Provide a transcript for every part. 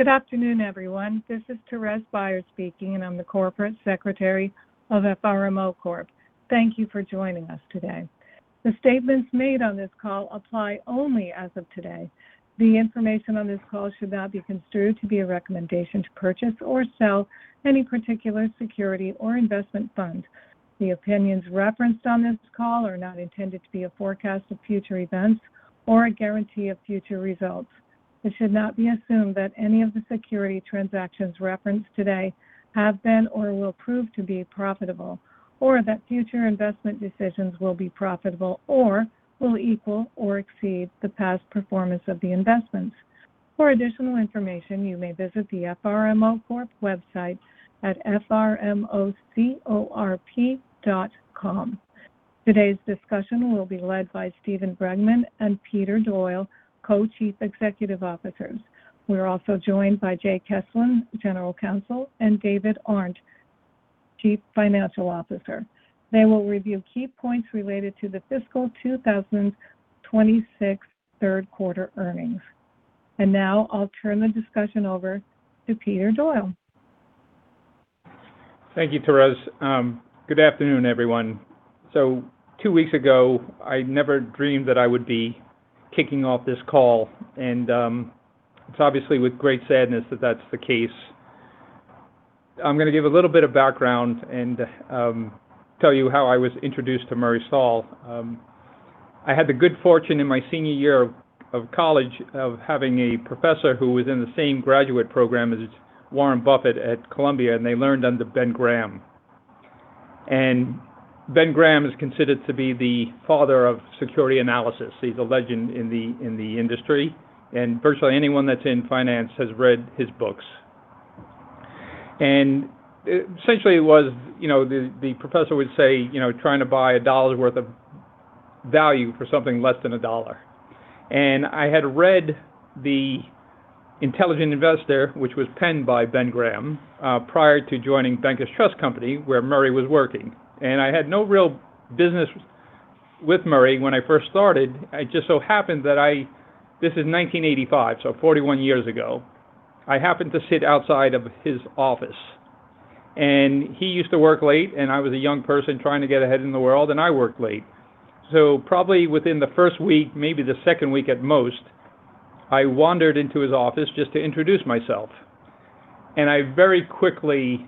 Good afternoon, everyone. This is Thérèse Byars speaking, and I'm the corporate secretary of FRMO Corp. Thank you for joining us today. The statements made on this call apply only as of today. The information on this call should not be construed to be a recommendation to purchase or sell any particular security or investment fund. The opinions referenced on this call are not intended to be a forecast of future events or a guarantee of future results. It should not be assumed that any of the security transactions referenced today have been or will prove to be profitable, or that future investment decisions will be profitable or will equal or exceed the past performance of the investments. For additional information, you may visit the FRMO Corp website at frmocorp.com. Today's discussion will be led by Steven Bregman and Peter Doyle, Co-Chief Executive Officers. We're also joined by Jay Kesslen, General Counsel, and David Arndt, Chief Financial Officer. They will review key points related to the FY 2026 Q3 earnings. Now I'll turn the discussion over to Peter Doyle. Thank you, Thérèse. Good afternoon, everyone. Two weeks ago, I never dreamed that I would be kicking off this call, and it's obviously with great sadness that that's the case. I'm going to give a little bit of background and tell you how I was introduced to Murray Stahl. I had the good fortune in my senior year of college of having a professor who was in the same graduate program as Warren Buffett at Columbia, and they learned under Benjamin Graham. Benjamin Graham is considered to be the father of security analysis. He's a legend in the industry, and virtually anyone that's in finance has read his books. Essentially, the professor would say, "Trying to buy a dollar's worth of value for something less than a dollar." I had read "The Intelligent Investor," which was penned by Benjamin Graham, prior to joining Bankers Trust Company, where Murray was working. I had no real business with Murray when I first started. It just so happened. This is 1985, so 41 years ago. I happened to sit outside of his office. He used to work late, and I was a young person trying to get ahead in the world, and I worked late. Probably within the first week, maybe the second week at most, I wandered into his office just to introduce myself. I very quickly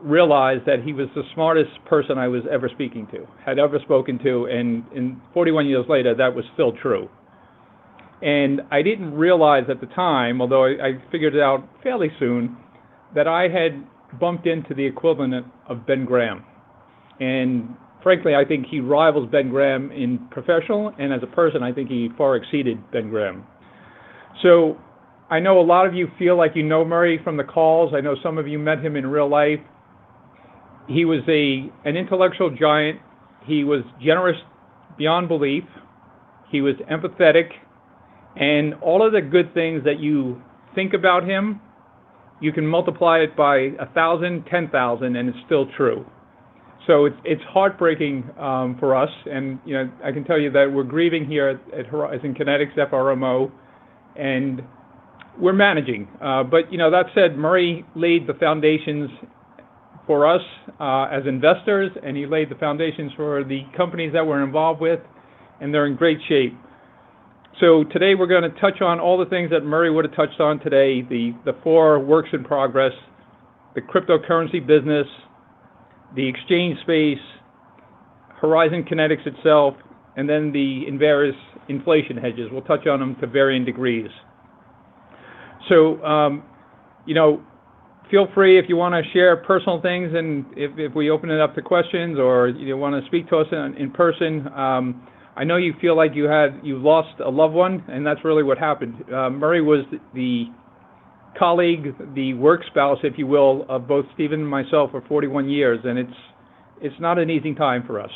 realized that he was the smartest person I was ever speaking to, had ever spoken to. 41 years later, that was still true. I didn't realize at the time, although I figured it out fairly soon, that I had bumped into the equivalent of Benjamin Graham. Frankly, I think he rivals Benjamin Graham in professional, and as a person, I think he far exceeded Benjamin Graham. I know a lot of you feel like you know Murray from the calls. I know some of you met him in real life. He was an intellectual giant. He was generous beyond belief. He was empathetic. All of the good things that you think about him, you can multiply it by 1,000 or 10,000, and it's still true. It's heartbreaking for us, and I can tell you that we're grieving here at Horizon Kinetics, FRMO, and we're managing. That said, Murray Stahl laid the foundations for us as investors, and he laid the foundations for the companies that we're involved with, and they're in great shape. Today we're going to touch on all the things that Murray Stahl would have touched on today. The four works in progress, the cryptocurrency business, the exchange space, Horizon Kinetics itself, and then the various inflation hedges. We'll touch on them to varying degrees. Feel free if you want to share personal things and if we open it up to questions or you want to speak to us in person. I know you feel like you've lost a loved one, and that's really what happened. Murray Stahl was the colleague, the work spouse, if you will, of both Steven Bregman and myself for 41 years, and it's not an easy time for us.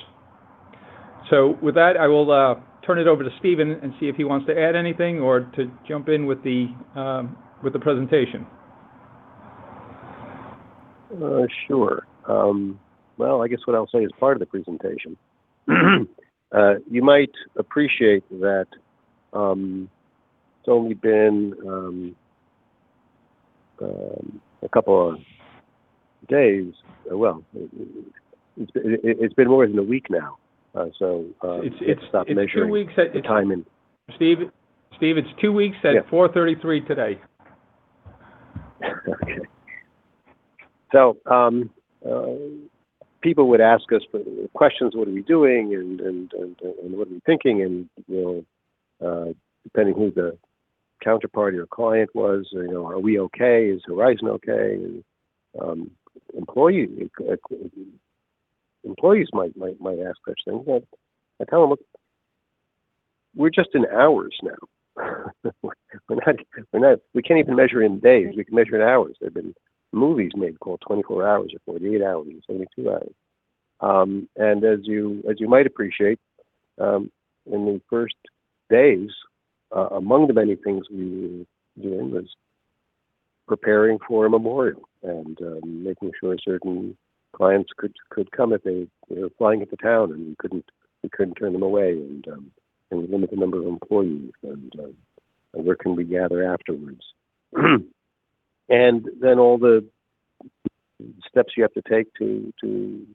With that, I will turn it over to Steven and see if he wants to add anything or to jump in with the presentation. Sure. Well, I guess what I'll say is part of the presentation. You might appreciate that it's only been a couple of days. Well, it's been more than a week now. I need to stop measuring time in- Steve, it's two weeks at 4:33 today. Okay. People would ask us questions, what are we doing and what are we thinking? Depending who the counterparty or client was, are we okay? Is Horizon okay? Employees might ask such things. I tell them, "Look, we're just in hours now. We can't even measure in days. We can measure in hours." There have been movies made called "24 Hours" or "48 Hours" or "72 Hours." As you might appreciate, in the first days, among the many things we were doing was preparing for a memorial and making sure certain clients could come if they were flying into town and couldn't. We couldn't turn them away and we limit the number of employees and where can we gather afterwards. Then all the steps you have to take to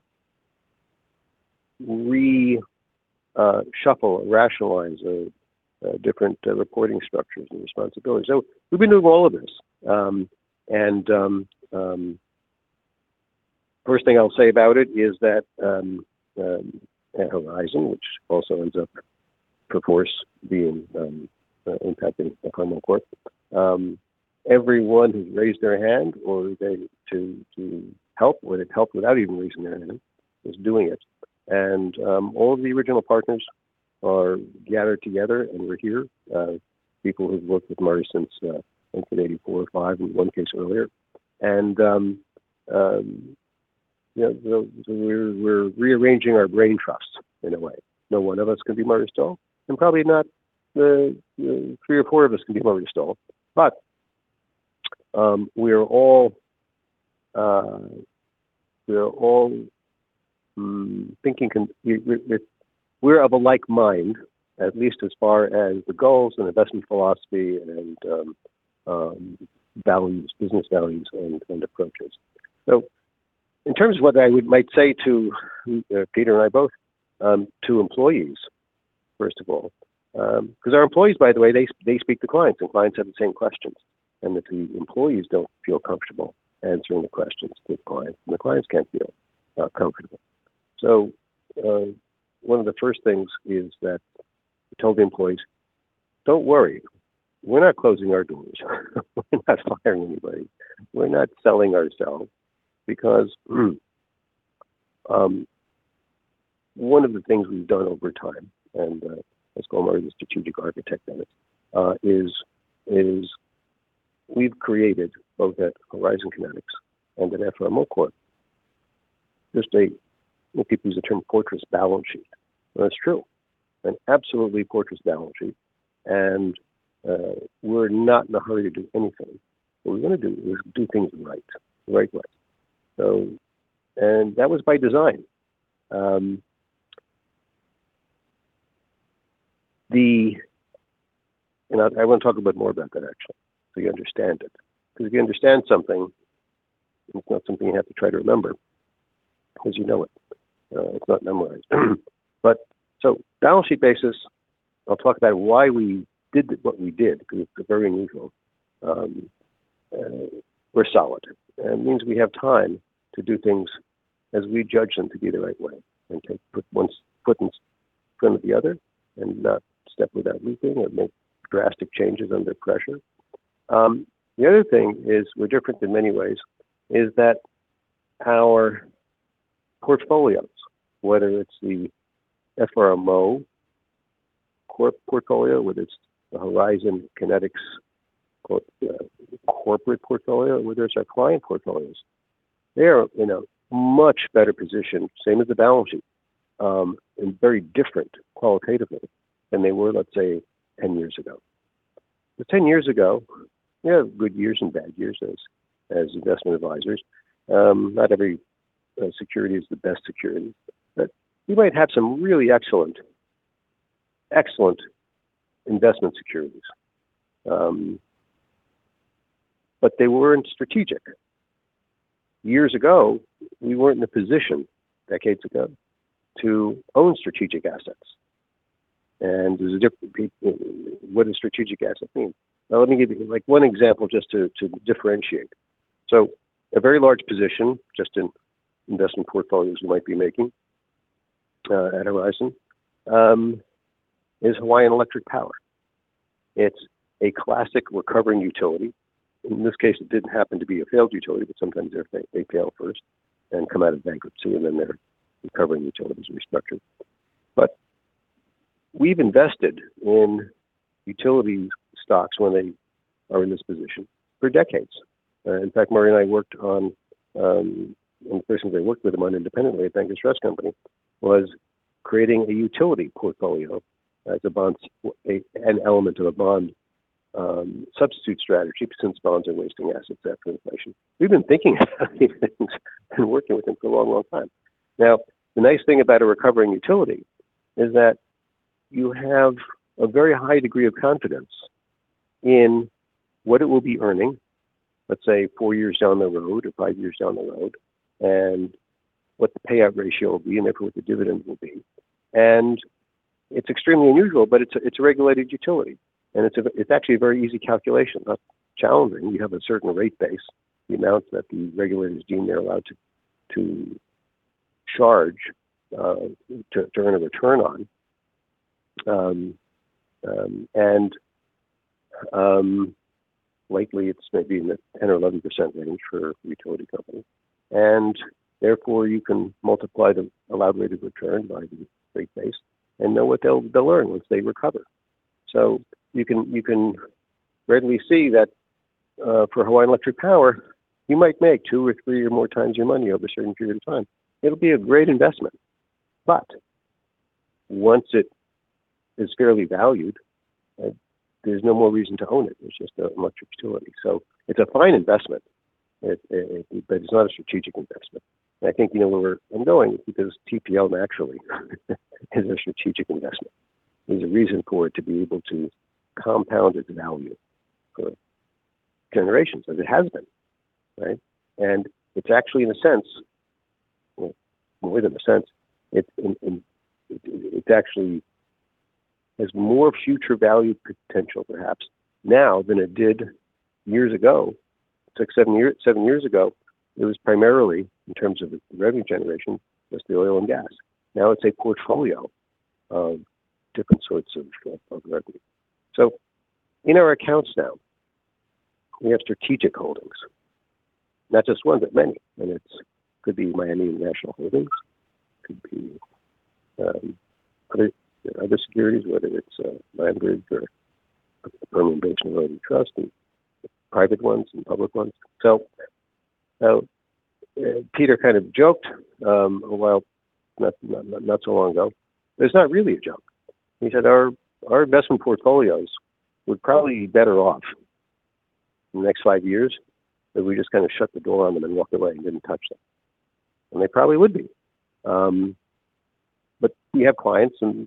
reshuffle or rationalize the different reporting structures and responsibilities. We've been through all of this. First thing I'll say about it is that at Horizon, which also ends up perforce impacting FRMO Corp, everyone who raised their hand or to help without even raising their hand is doing it. All of the original partners are gathered together and we're here. People who've worked with Murray Stahl since 1984 or 1985, in one case earlier. We're rearranging our brain trust in a way. No one of us can be Murray Stahl, and probably not three or four of us can be Murray Stahl. We're all of a like mind, at least as far as the goals and investment philosophy and business values and approaches. In terms of what I might say to Peter and I both to employees, first of all. Because our employees, by the way, they speak to clients, and clients have the same questions. If the employees don't feel comfortable answering the questions to the client, then the clients can't feel comfortable. One of the first things is that we tell the employees, "Don't worry, we're not closing our doors. We're not firing anybody. We're not selling ourselves." One of the things we've done over time, and as Murray's the strategic architect of it, is we've created both at Horizon Kinetics and at FRMO Corp, just a, people use the term fortress balance sheet. That's true. An absolutely fortress balance sheet. We're not in a hurry to do anything. What we're going to do is do things right, the right way. That was by design. I want to talk a bit more about that actually, so you understand it. If you understand something, it's not something you have to try to remember because you know it.It's not memorized. Balance sheet basis, I'll talk about why we did what we did because it's very unusual. We're solid, and it means we have time to do things as we judge them to be the right way, and put one foot in front of the other and not step without looking or make drastic changes under pressure. The other thing is we're different in many ways, is that our portfolios, whether it's the FRMO Corp portfolio, whether it's the Horizon Kinetics corporate portfolio, or whether it's our client portfolios, they are in a much better position, same as the balance sheet, and very different qualitatively than they were, let's say, 10 years ago. Because 10 years ago, we had good years and bad years as investment advisors. Not every security is the best security. We might have some really excellent investment securities. They weren't strategic. Years ago, we weren't in a position, decades ago, to own strategic assets. What does strategic asset mean? Now let me give you one example just to differentiate. A very large position, just in investment portfolios you might be making at Horizon, is Hawaiian Electric. It's a classic recovering utility. In this case, it didn't happen to be a failed utility, but sometimes they fail first and come out of bankruptcy, and then they're recovering utilities and restructured. We've invested in utility stocks when they are in this position for decades. In fact, Murray Stahl and I worked independently at Bankers Trust Company creating a utility portfolio as an element of a bond substitute strategy since bonds are wasting assets after inflation. We've been thinking about these things and working with him for a long time. Now, the nice thing about a recovering utility is that you have a very high degree of confidence in what it will be earning, let's say, four years down the road or five years down the road, and what the payout ratio will be, and therefore what the dividend will be. It's extremely unusual, but it's a regulated utility. It's actually a very easy calculation, not challenging. You have a certain rate base, the amount that the regulators deem they're allowed to charge, to earn a return on. Lately, it's maybe in the 10% or 11% range for a utility company. Therefore, you can multiply the allowed rate of return by the rate base and know what they'll earn once they recover. You can readily see that for Hawaiian Electric, you might make 2.0x or 3.0x more your money over a certain period of time. It'll be a great investment. But once it's fairly valued. There's no more reason to own it. It's just an electric utility. It's a fine investment, but it's not a strategic investment. I think we're investing because TPL actually is a strategic investment. There's a reason for it to be able to compound its value for generations as it has been. Right? It's actually in a sense, more than a sense, it actually has more future value potential perhaps now than it did years ago. six or seven years ago, it was primarily in terms of its revenue generation, the oil and gas. Now it's a portfolio of different sorts of revenue. In our accounts now, we have strategic holdings. Not just one, but many. It could be Miami International Holdings, could be other securities, whether it's LandBridge or Permanent Benjamin Trust and private ones and public ones. Peter kind of joked a while, not so long ago. It's not really a joke. He said our investment portfolios would probably be better off in the next five years if we just shut the door on them and walked away and didn't touch them. They probably would be. We have clients and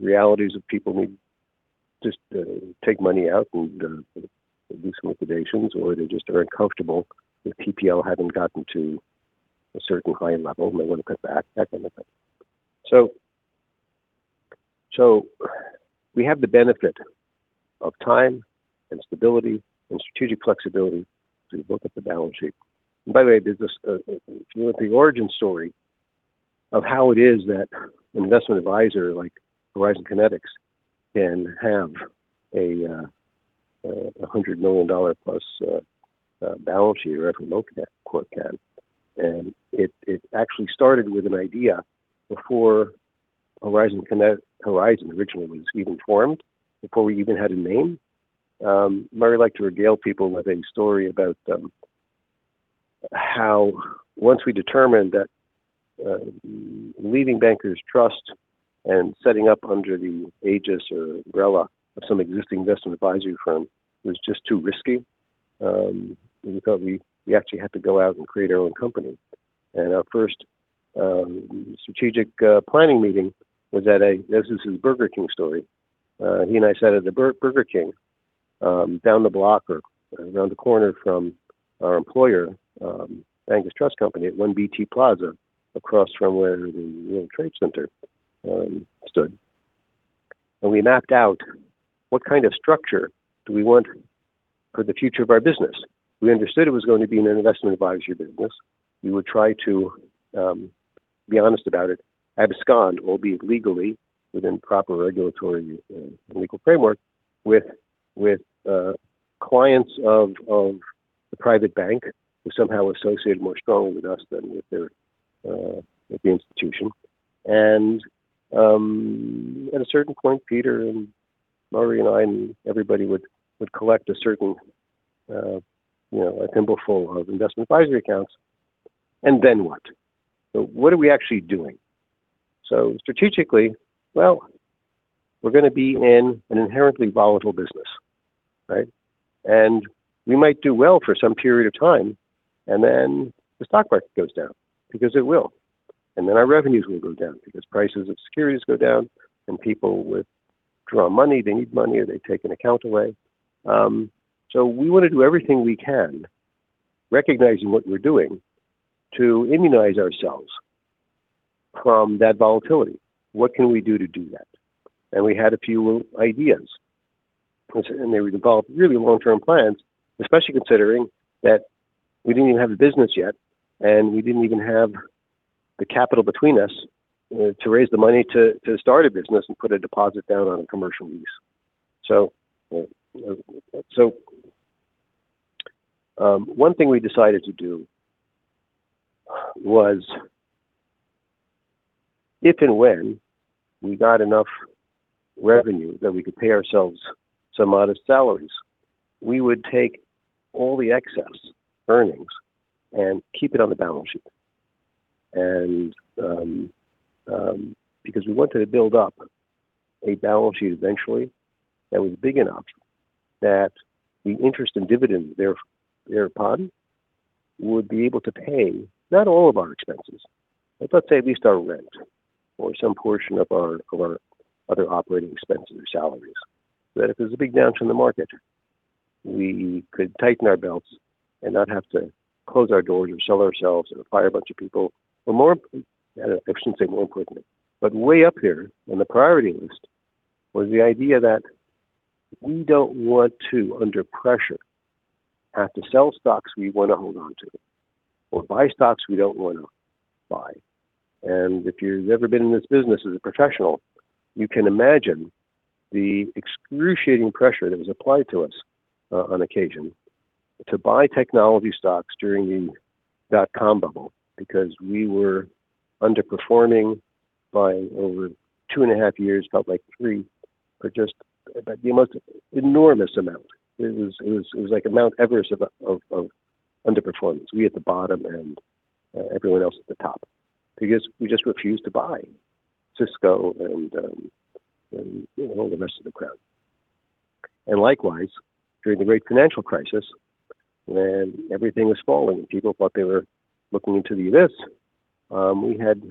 realities of people who just take money out and do some liquidations, or they just are uncomfortable with TPL having gotten to a certain high level, and they want to cut back that kind of thing. We have the benefit of time and stability and strategic flexibility to look at the balance sheet. By the way, if you want the origin story of how it is that an investment advisor like Horizon Kinetics can have a $100 million-plus balance sheet or equity market cap, and it actually started with an idea before Horizon originally was even formed, before we even had a name. Murray liked to regale people with a story about how once we determined that leaving Bankers Trust and setting up under the aegis or umbrella of some existing investment advisory firm was just too risky, we thought we actually had to go out and create our own company. Our first strategic planning meeting was at a, this is his Burger King story. He and I sat at the Burger King, down the block or around the corner from our employer, Bankers Trust Company at 1 BT Plaza, across from where the World Trade Center stood. We mapped out what kind of structure do we want for the future of our business. We understood it was going to be an investment advisory business. We would try to be honest about it, abscond, albeit legally, within proper regulatory and legal framework with clients of the private bank who somehow associated more strongly with us than with the institution. At a certain point, Peter and Murray and I, and everybody would collect a certain thimble full of investment advisory accounts. Then what? What are we actually doing? Strategically, well, we're going to be in an inherently volatile business, right? We might do well for some period of time, and then the stock market goes down, because it will. Our revenues will go down because prices of securities go down, and people withdraw money, they need money, or they take an account away. We want to do everything we can, recognizing what we're doing, to immunize ourselves from that volatility. What can we do to do that? We had a few ideas. They would involve really long-term plans, especially considering that we didn't even have a business yet, and we didn't even have the capital between us to raise the money to start a business and put a deposit down on a commercial lease. One thing we decided to do was if and when we got enough revenue that we could pay ourselves some modest salaries, we would take all the excess earnings and keep it on the balance sheet. Because we wanted to build up a balance sheet eventually that was big enough that the interest and dividends thereupon would be able to pay not all of our expenses, but let's say at least our rent or some portion of our other operating expenses or salaries. That if there's a big downturn in the market, we could tighten our belts and not have to close our doors or sell ourselves or fire a bunch of people. Or more, I shouldn't say more importantly, but way up here on the priority list was the idea that we don't want to, under pressure, have to sell stocks we want to hold on to or buy stocks we don't want to buy. If you've ever been in this business as a professional, you can imagine the excruciating pressure that was applied to us on occasion to buy technology stocks during the dot-com bubble because we were underperforming by over two and a half years, felt like three, but just the most enormous amount. It was like Mount Everest of underperformance. We at the bottom. Everyone else at the top. Because we just refused to buy Cisco and all the rest of the crowd. Likewise, during the great financial crisis, when everything was falling, people thought they were looking into the abyss. We had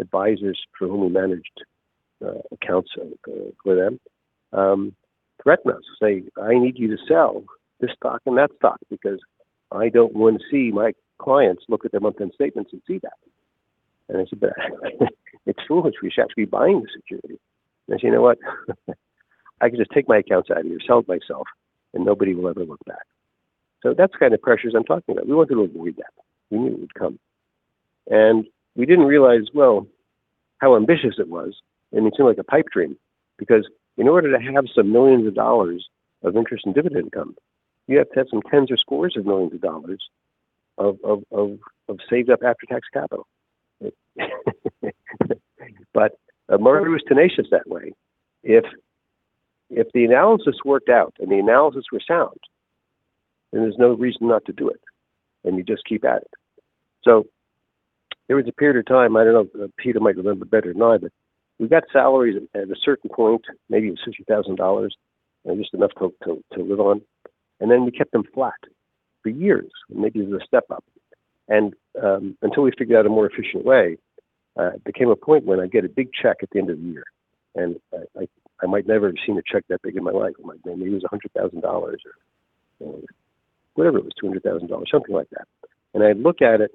advisors for whom we managed accounts for them, threaten us, say, "I need you to sell this stock and that stock because I don't want to see my clients look at their month-end statements and see that." I said, "But it's foolish. We should actually be buying the security." They say, "You know what? I can just take my accounts out and just sell it myself, and nobody will ever look back." That's the kind of pressures I'm talking about. We wanted to avoid that. We knew it would come. We didn't realize, well, how ambitious it was, and it seemed like a pipe dream. Because in order to have some millions of dollars of interest and dividend income, you have to have some tens or scores of millions of dollars of saved up after-tax capital. But Murray was tenacious that way. If the analysis worked out and the analysis was sound, then there's no reason not to do it, and you just keep at it. There was a period of time, Peter might remember better than I, but we got salaries at a certain point, maybe it was $60,000, just enough to live on. We kept them flat for years, maybe as a step-up. Until we figured out a more efficient way, it became a point when I'd get a big check at the end of the year. I might never have seen a check that big in my life. I'm like, "Man, maybe it was $100,000," or whatever it was, $200,000, something like that. I'd look at it.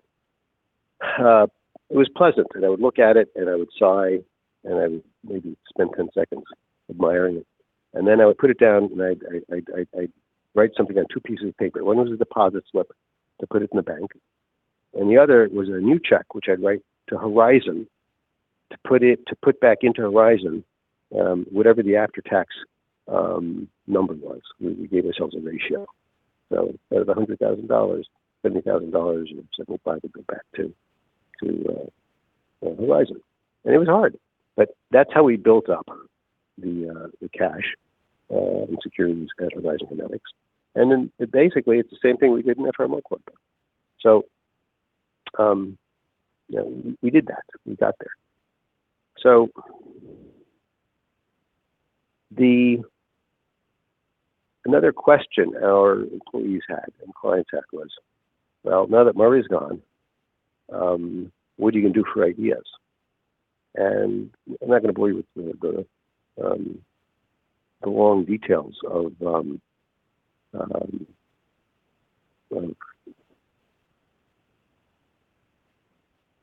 It was pleasant, and I would look at it and I would sigh, and I would maybe spend 10 seconds admiring it. I would put it down and I'd write something on two pieces of paper. One was a deposit slip to put it in the bank, and the other was a new check, which I'd write to Horizon to put back into Horizon, whatever the after-tax number was. We gave ourselves a ratio. Out of $100,000, $70,000 of civil fines would go back to Horizon. It was hard, but that's how we built up the cash and securities at Horizon Kinetics. Then basically, it's the same thing we did in FRMO Corp. We did that. We got there. Another question our employees had and clients had was, "Well, now that Murray's gone, what are you going to do for ideas?" I'm not going to bore you with the long details of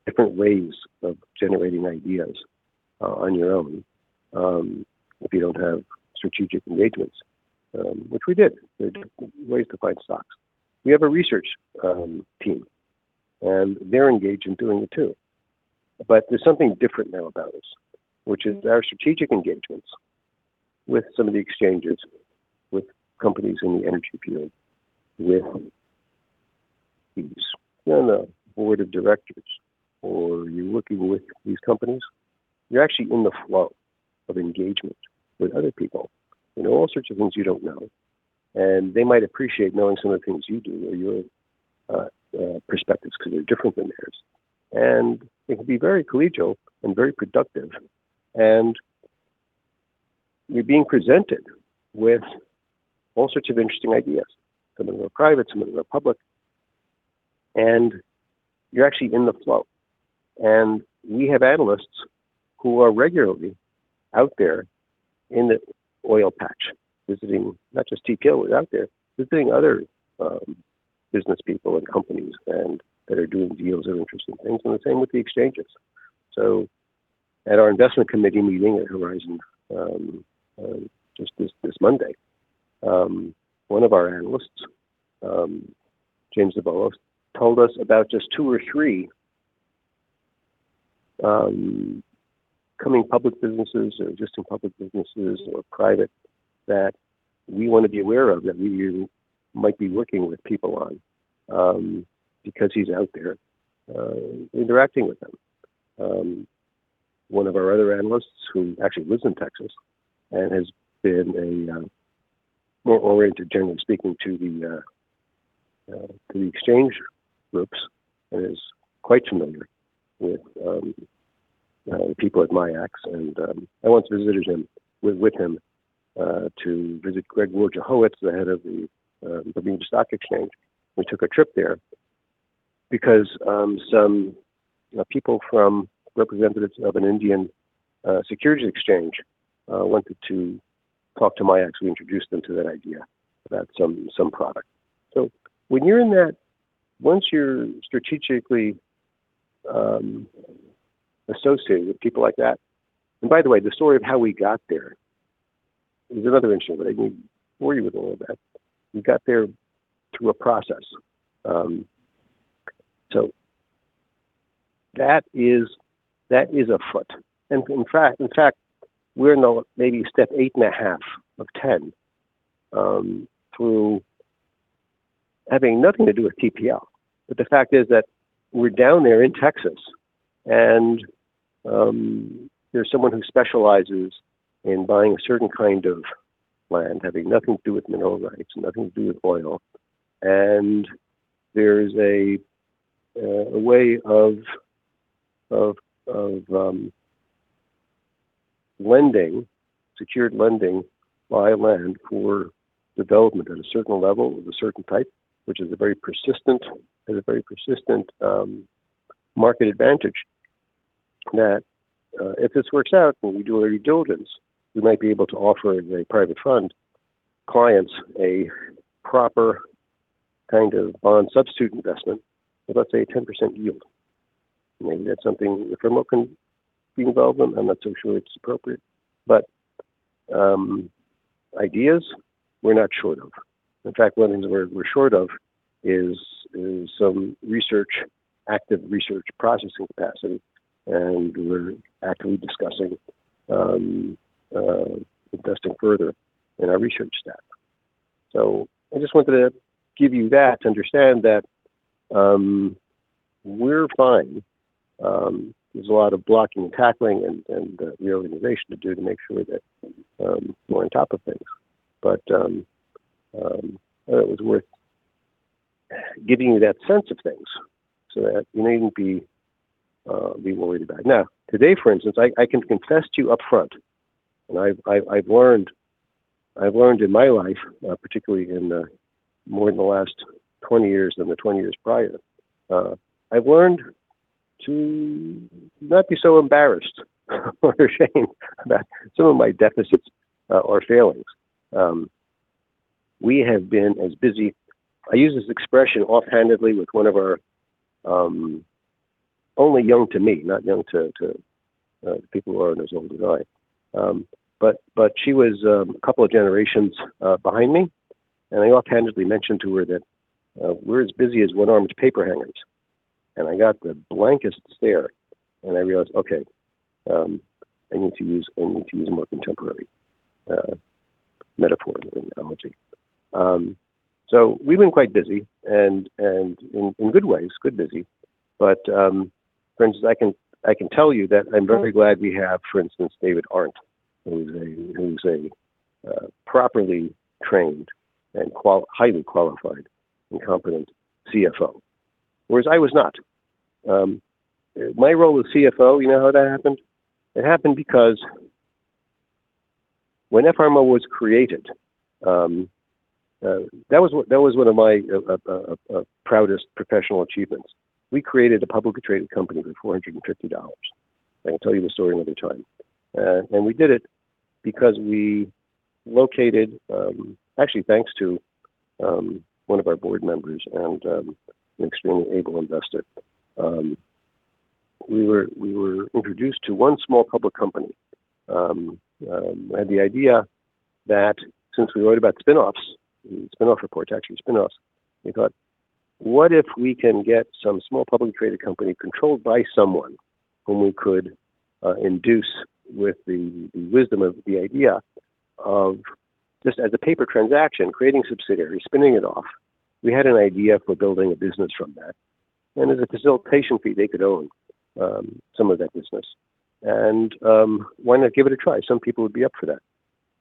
different ways of generating ideas on your own, if you don't have strategic engagements, which we did. There are ways to find stocks. We have a research team, and they're engaged in doing it too. There's something different now about us, which is our strategic engagements with some of the exchanges, with companies in the energy field, with these. If you're on the board of directors or you're working with these companies, you're actually in the flow of engagement with other people who know all sorts of things you don't know. They might appreciate knowing some of the things you do or your perspectives because they're different than theirs. It can be very collegial and very productive. You're being presented with all sorts of interesting ideas. Some of them are private, some of them are public. You're actually in the flow. We have analysts who are regularly out there in the oil patch visiting not just TPLs out there, visiting other business people and companies that are doing deals and interesting things, and the same with the exchanges. At our investment committee meeting at Horizon, just this Monday, one of our analysts, James Davolos, told us about just two or three coming public businesses or just in public businesses or private that we want to be aware of, that we might be working with people on, because he's out there interacting with them. One of our other analysts who actually lives in Texas and has been more oriented generally speaking to the exchange groups and is quite familiar with the people at MIAX. I once visited him, went with him, to visit Greg Wojciechowski, the head of the Bermuda Stock Exchange. We took a trip there because some people from representatives of an Indian securities exchange wanted to talk to MIAX. We introduced them to that idea about some product. When you're in that, once you're strategically associated with people like that, and by the way, the story of how we got there is another interesting, but I bored you with all of that. We got there through a process. That is afoot. In fact, we're now maybe step 8.5 of 10, through having nothing to do with TPL. The fact is that we're down there in Texas. And there's someone who specializes in buying a certain kind of land, having nothing to do with mineral rights, nothing to do with oil. There is a way of secured lending via land for development at a certain level of a certain type, which is a very persistent market advantage that if this works out, when we do our due diligence, we might be able to offer a private fund clients a proper kind of bond substitute investment with, let's say, a 10% yield. Maybe that's something FRMO can be involved in. I'm not so sure it's appropriate. Ideas, we're not short of. In fact, one of the things we're short of is some active research processing capacity, and we're actively discussing investing further in our research staff. I just wanted to give you that to understand that we're fine. There's a lot of blocking and tackling and real innovation to do to make sure that we're on top of things. I thought it was worth giving you that sense of things so that you needn't be worried about it. Now, today, for instance, I can confess to you up front, and I've learned in my life, particularly more in the last 20 years than the 20 years prior, I've learned to not be so embarrassed or ashamed about some of my deficits or failings. We have been as busy. I use this expression offhandedly with one of our, only young to me, not young to people who aren't as old as I am. She was a couple of generations behind me, and I offhandedly mentioned to her that we're as busy as one-armed paper hangers. I got the blankest stare, and I realized, okay, I need to use a more contemporary metaphor than analogy. We've been quite busy and in good ways, good busy. For instance, I can tell you that I'm very glad we have, for instance, David Arndt, who's a properly trained and highly qualified and competent CFO, whereas I was not. My role as CFO, you know how that happened? It happened because when FRMO was created, that was one of my proudest professional achievements. We created a publicly traded company with $450. I can tell you the story another time. We did it because we located, actually, thanks to one of our board members and an extremely able investor. We were introduced to one small public company. I had the idea that since we worried about spin-offs, the Spin-Off Report, actually, spin-offs, we thought, what if we can get some small publicly traded company controlled by someone whom we could induce with the wisdom of the idea of just as a paper transaction, creating subsidiaries, spinning it off. We had an idea for building a business from that. As a facilitation fee, they could own some of that business. Why not give it a try? Some people would be up for that.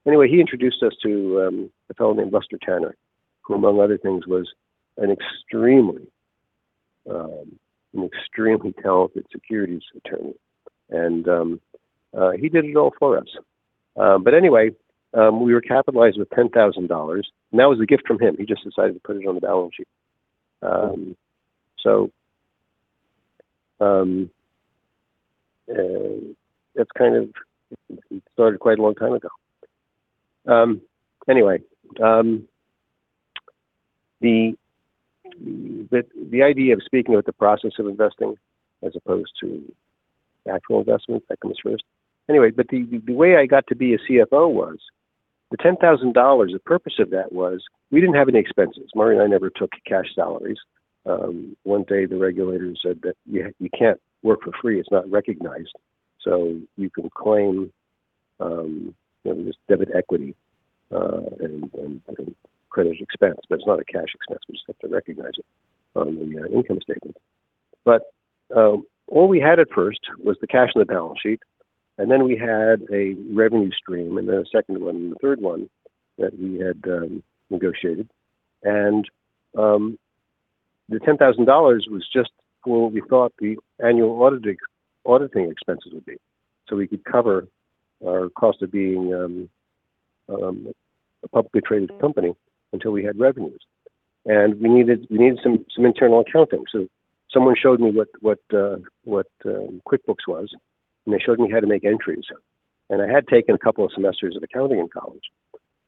Anyway, he introduced us to a fellow named Buster Tanner, who, among other things, was an extremely talented securities attorney. He did it all for us. Anyway, we were capitalized with $10,000, and that was a gift from him. He just decided to put it on the balance sheet. It started quite a long time ago. Anyway, the idea of speaking about the process of investing as opposed to actual investments that come first. Anyway, the way I got to be a CFO was the $10,000, the purpose of that was we didn't have any expenses. Murray and I never took cash salaries. One day, the regulators said that you can't work for free. It's not recognized. You can claim this debit equity and credit expense, but it's not a cash expense. We just have to recognize it on the income statement. All we had at first was the cash on the balance sheet, and then we had a revenue stream, and then a second one, and the third one that we had negotiated. The $10,000 was just what we thought the annual auditing expenses would be. We could cover our cost of being a publicly traded company until we had revenues. We needed some internal accounting. Someone showed me what QuickBooks was, and they showed me how to make entries. I had taken a couple of semesters of accounting in college.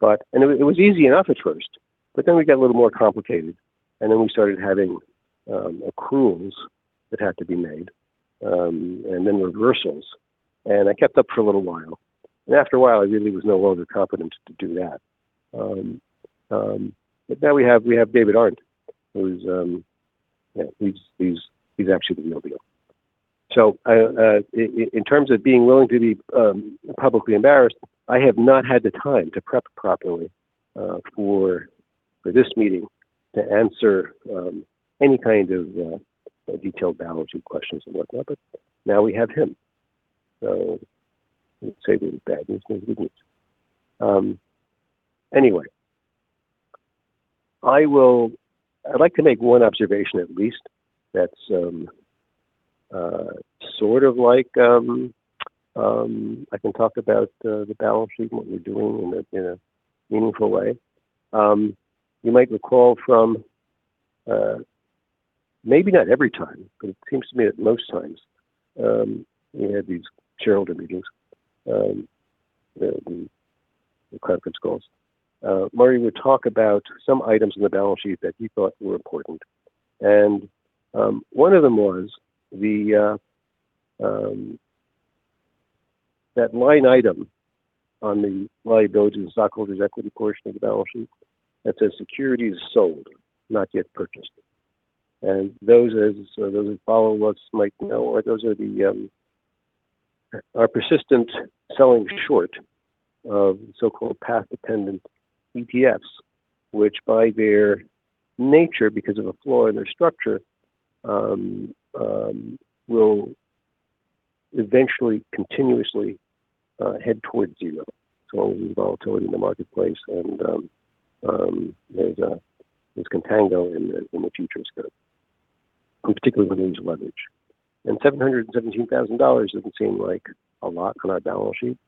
It was easy enough at first, but then we got a little more complicated. Then we started having accruals that had to be made, and then reversals. I kept up for a little while. After a while, I really was no longer competent to do that. Now we have David Arndt, who's actually the real deal. In terms of being willing to be publicly embarrassed, I have not had the time to prep properly for this meeting to answer any kind of detailed balance sheet questions and whatnot, but now we have him. Let's say the bad news, maybe good news. Anyway, I'd like to make one observation at least that's sort of like I can talk about the balance sheet and what we're doing in a meaningful way. You might recall from, maybe not every time, but it seems to me that most times we had these shareholder meetings, the conference calls, Murray would talk about some items in the balance sheet that he thought were important. One of them was that line item on the liabilities and stockholders' equity portion of the balance sheet that says, "Securities sold, not yet purchased." Those, as those who follow us might know, are our persistent selling short of so-called path-dependent ETFs, which by their nature, because of a flaw in their structure, will eventually continuously head towards zero as long as there's volatility in the marketplace and there's contango in the futures curve, and particularly when there's leverage. $717,000 doesn't seem like a lot on our balance sheet.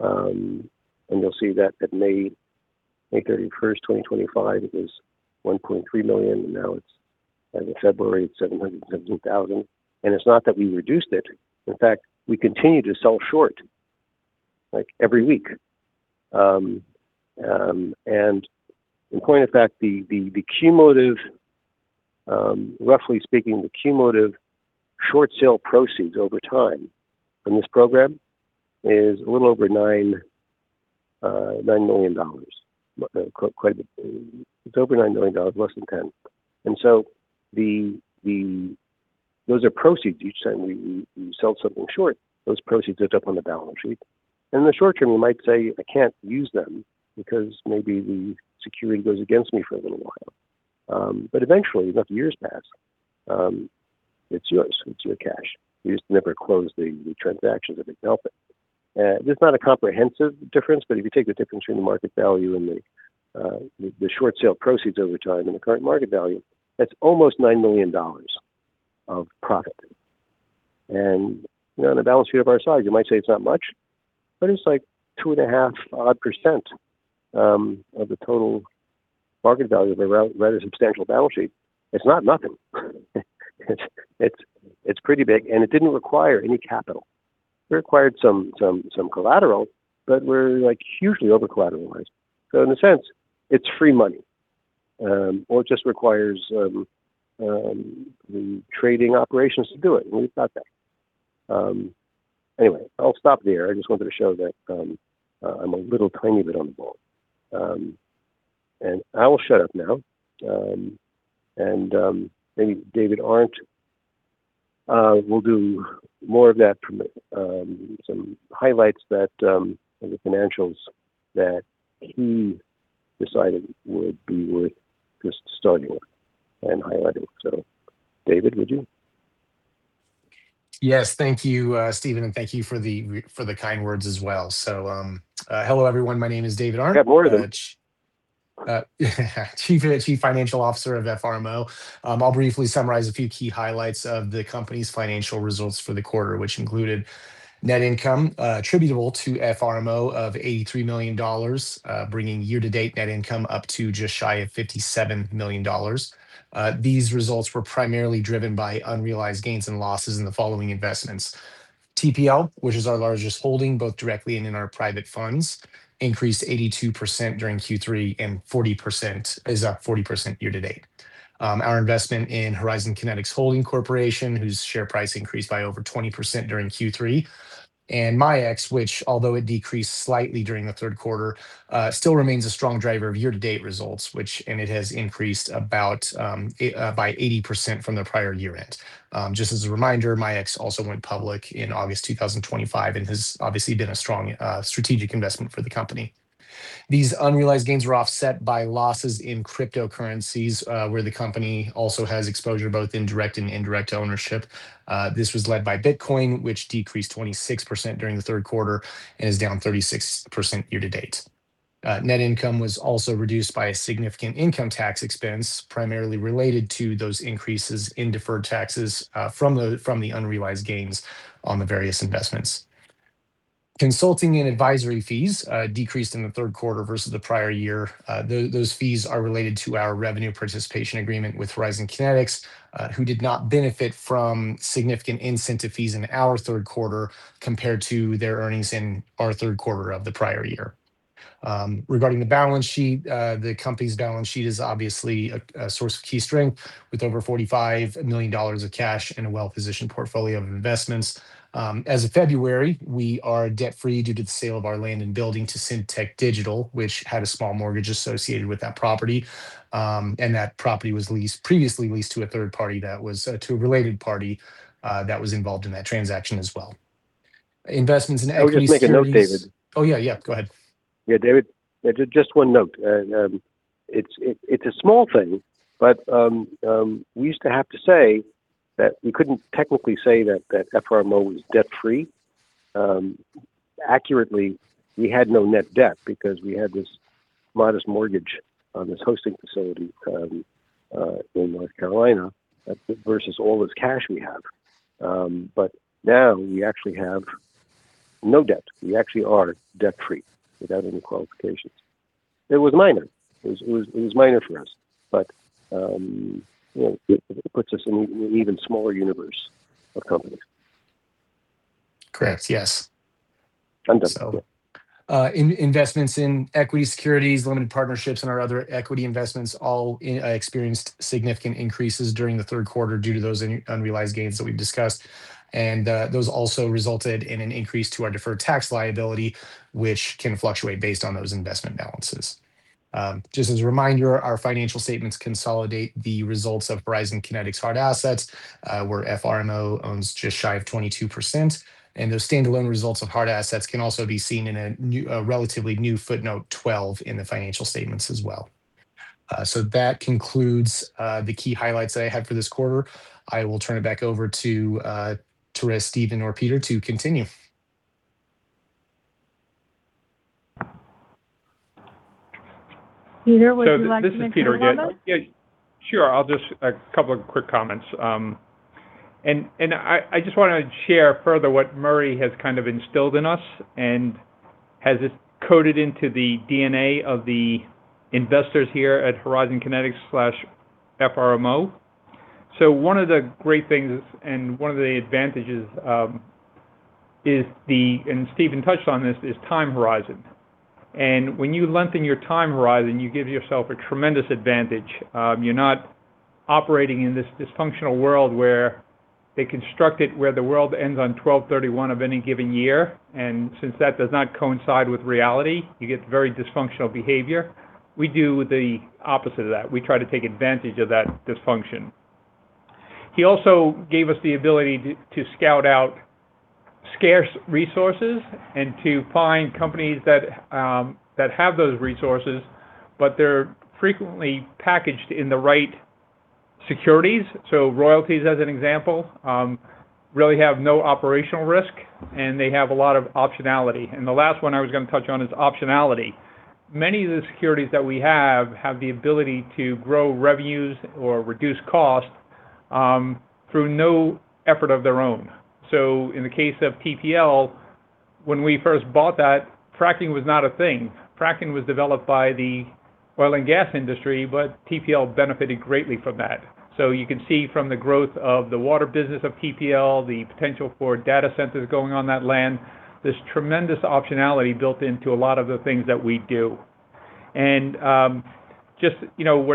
You'll see that at May 31, 2025, it was $1.3 million, and now it's, as of February, it's $717,000. It's not that we reduced it. In fact, we continue to sell short every week. In point of fact, roughly speaking, the cumulative short sale proceeds over time from this program is a little over $9 million. It's over $9 million, less than $10 million. Those are proceeds. Each time we sell something short, those proceeds end up on the balance sheet. In the short term, we might say, "I can't use them because maybe the security goes against me for a little while." Eventually, enough years pass, it's yours. It's your cash. We just never close the transactions that result in it. This is not a comprehensive difference, but if you take the difference between the market value and the short sale proceeds over time and the current market value, that's almost $9 million of profit. On a balance sheet of our size, you might say it's not much, but it's like 2.5%-odd of the total market value of a rather substantial balance sheet. It's not nothing. It's pretty big, and it didn't require any capital. It required some collateral, but we're hugely over-collateralized. In a sense, it's free money, or it just requires the trading operations to do it, and we've got that. Anyway, I'll stop there. I just wanted to show that I'm a little tiny bit on the ball. I will shut up now, and maybe David Arndt will do more of that, some highlights of the financials that he decided would be worth just studying and highlighting. David, would you? Yes. Thank you, Steven, and thank you for the kind words as well. Hello, everyone. My name is David Arndt- Good morning. Chief Financial Officer of FRMO. I'll briefly summarize a few key highlights of the company's financial results for the quarter, which included net income attributable to FRMO of $83 million, bringing year-to-date net income up to just shy of $57 million. These results were primarily driven by unrealized gains and losses in the following investments. TPL, which is our largest holding, both directly and in our private funds, increased 82% during Q3, and is up 40% year-to-date. Our investment in Horizon Kinetics Holding Corporation, whose share price increased by over 20% during Q3, and MIAX, which although it decreased slightly during the Q3, still remains a strong driver of year-to-date results, and it has increased by about 80% from the prior year-end. Just as a reminder, MIAX also went public in August 2025 and has obviously been a strong strategic investment for the company. These unrealized gains were offset by losses in cryptocurrencies, where the company also has exposure, both in direct and indirect ownership. This was led by Bitcoin, which decreased 26% during the Q3 and is down 36% year to date. Net income was also reduced by a significant income tax expense, primarily related to those increases in deferred taxes from the unrealized gains on the various investments. Consulting and advisory fees decreased in the Q3 versus the prior year. Those fees are related to our revenue participation agreement with Horizon Kinetics, who did not benefit from significant incentive fees in our Q3 compared to their earnings in our Q3 of the prior year. Regarding the balance sheet, the company's balance sheet is obviously a source of key strength, with over $45 million of cash and a well-positioned portfolio of investments. As of February, we are debt-free due to the sale of our land and building to Synteq Digital, which had a small mortgage associated with that property. That property was previously leased to a third party, to a related party, that was involved in that transaction as well. Investments in equity securities- I'll just make a note, David. Oh, yeah. Go ahead. Yeah, David, just one note. It's a small thing, but we used to have to say that we couldn't technically say that FRMO was debt-free. Accurately, we had no net debt because we had this modest mortgage on this hosting facility in North Carolina versus all this cash we have. Now we actually have no debt. We actually are debt-free without any qualifications. It was minor for us, but it puts us in an even smaller universe of companies. Correct. Yes. Understood. Investments in equity securities, limited partnerships, and our other equity investments all experienced significant increases during the Q3 due to those unrealized gains that we've discussed. Those also resulted in an increase to our deferred tax liability, which can fluctuate based on those investment balances. Just as a reminder, our financial statements consolidate the results of Horizon Kinetics Hard Assets, where FRMO owns just shy of 22%. Those standalone results of Hard Assets can also be seen in a relatively new footnote 12 in the financial statements as well. That concludes the key highlights that I had for this quarter. I will turn it back over to Thérèse, Steven, or Peter to continue. Peter, would you like to make any comments? Sure. A couple of quick comments. I just want to share further what Murray has kind of instilled in us and has this coded into the DNA of the investors here at Horizon Kinetics/FRMO. One of the great things and one of the advantages, and Steven touched on this, is time horizon. When you lengthen your time horizon, you give yourself a tremendous advantage. You're not operating in this dysfunctional world where they construct it, where the world ends on December 31, of any given year. Since that does not coincide with reality, you get very dysfunctional behavior. We do the opposite of that. We try to take advantage of that dysfunction. He also gave us the ability to scout out scarce resources and to find companies that have those resources, but they're frequently packaged in the right securities. Royalties, as an example, really have no operational risk, and they have a lot of optionality. The last one I was going to touch on is optionality. Many of the securities that we have have the ability to grow revenues or reduce costs through no effort of their own. In the case of TPL, when we first bought that, fracking was not a thing. Fracking was developed by the oil and gas industry, but TPL benefited greatly from that. You can see from the growth of the water business of TPL, the potential for data centers going on that land, this tremendous optionality built into a lot of the things that we do. What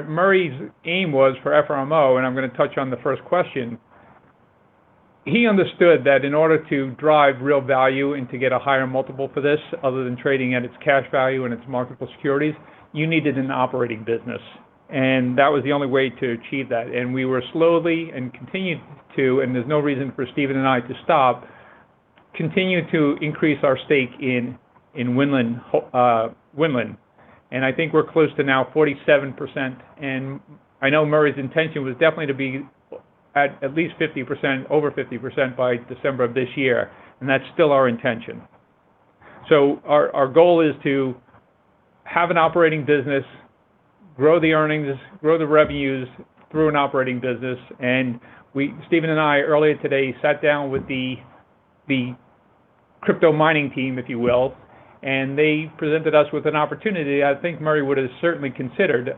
Murray's aim was for FRMO, and I'm going to touch on the first question, he understood that in order to drive real value and to get a higher multiple for this, other than trading at its cash value and its marketable securities, you needed an operating business, and that was the only way to achieve that. We were slowly and continued to, and there's no reason for Steven and I to stop, continue to increase our stake in Winland. I think we're close to now 47%, and I know Murray's intention was definitely to be at least 50%, over 50% by December of this year, and that's still our intention. Our goal is to have an operating business, grow the earnings, grow the revenues through an operating business. Steven and I, earlier today, sat down with the crypto mining team, if you will, and they presented us with an opportunity I think Murray would have certainly considered.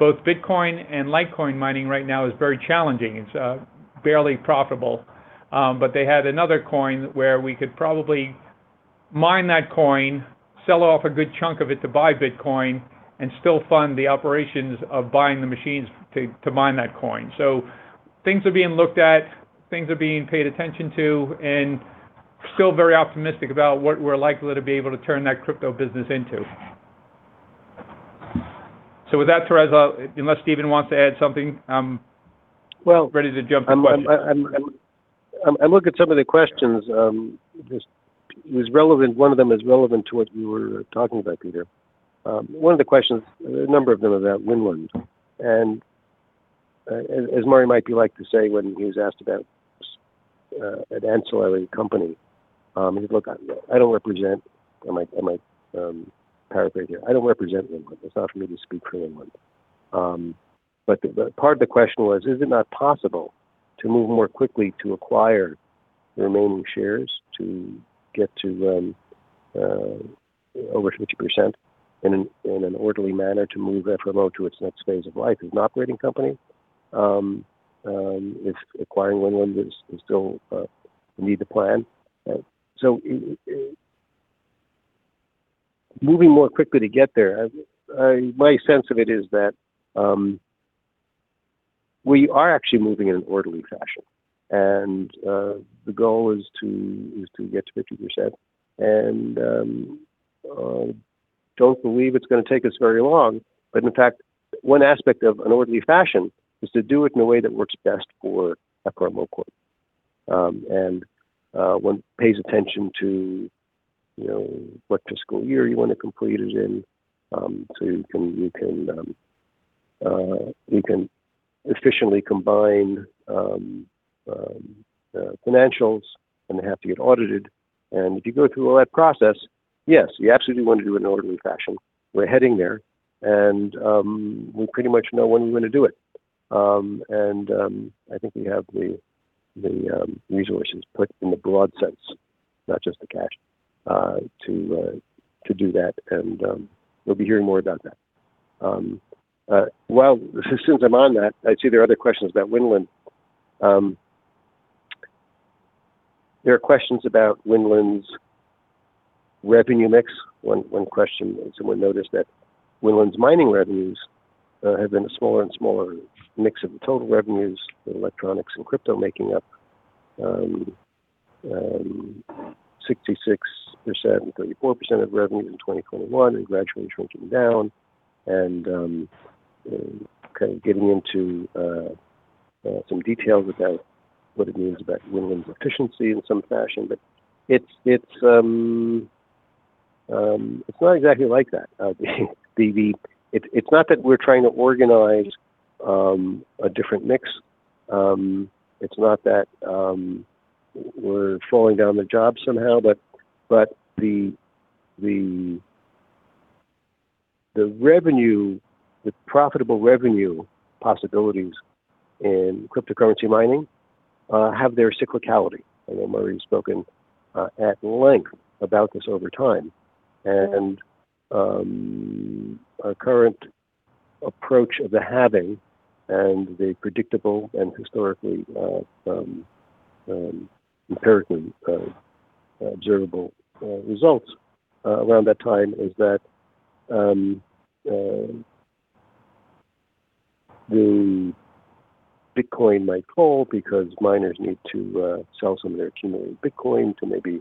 Both Bitcoin and Litecoin mining right now is very challenging. It's barely profitable. They had another coin where we could probably mine that coin, sell off a good chunk of it to buy Bitcoin, and still fund the operations of buying the machines to mine that coin. Things are being looked at, things are being paid attention to, and still very optimistic about what we're likely to be able to turn that crypto business into. With that, Thérèse, unless Steven wants to add something, I'm- Well- ready to jump to questions. I look at some of the questions. One of them is relevant to what we were talking about, Peter. One of the questions, a number of them are about Winland. As Murray might like to say when he was asked about an ancillary company, he's, "Look, I don't represent..." I might paraphrase here. "I don't represent Winland. It's not for me to speak for Winland." Part of the question was, is it not possible to move more quickly to acquire the remaining shares to get to over 50% in an orderly manner to move FRMO to its next phase of life as an operating company? If acquiring Winland is still... We need to plan. Moving more quickly to get there, my sense of it is that we are actually moving in an orderly fashion, and the goal is to get to 50%. Don't believe it's going to take us very long. In fact, one aspect of an orderly fashion is to do it in a way that works best for FRMO Corp. One pays attention to what fiscal year you want to complete it in, so you can efficiently combine the financials when they have to get audited. If you go through all that process, yes, you absolutely want to do it in an orderly fashion. We're heading there, and we pretty much know when we're going to do it. I think we have the resources put in the broad sense, not just the cash, to do that, and we'll be hearing more about that. Well, since I'm on that, I see there are other questions about Winland. There are questions about Winland's revenue mix. One question, someone noticed that Winland's mining revenues have been a smaller and smaller mix of the total revenues, with electronics and crypto making up 66% and 34% of revenues in 2021 and gradually shrinking down and kind of getting into some details about what it means about Winland's efficiency in some fashion. It's not exactly like that, Phoebe. It's not that we're trying to organize a different mix. It's not that we're slowing down the job somehow. The profitable revenue possibilities in cryptocurrency mining have their cyclicality. I know Murray's spoken at length about this over time. Our current approach of the Halving and the predictable and historically empirically observable results around that time is that the Bitcoin might fall because miners need to sell some of their accumulated Bitcoin to maybe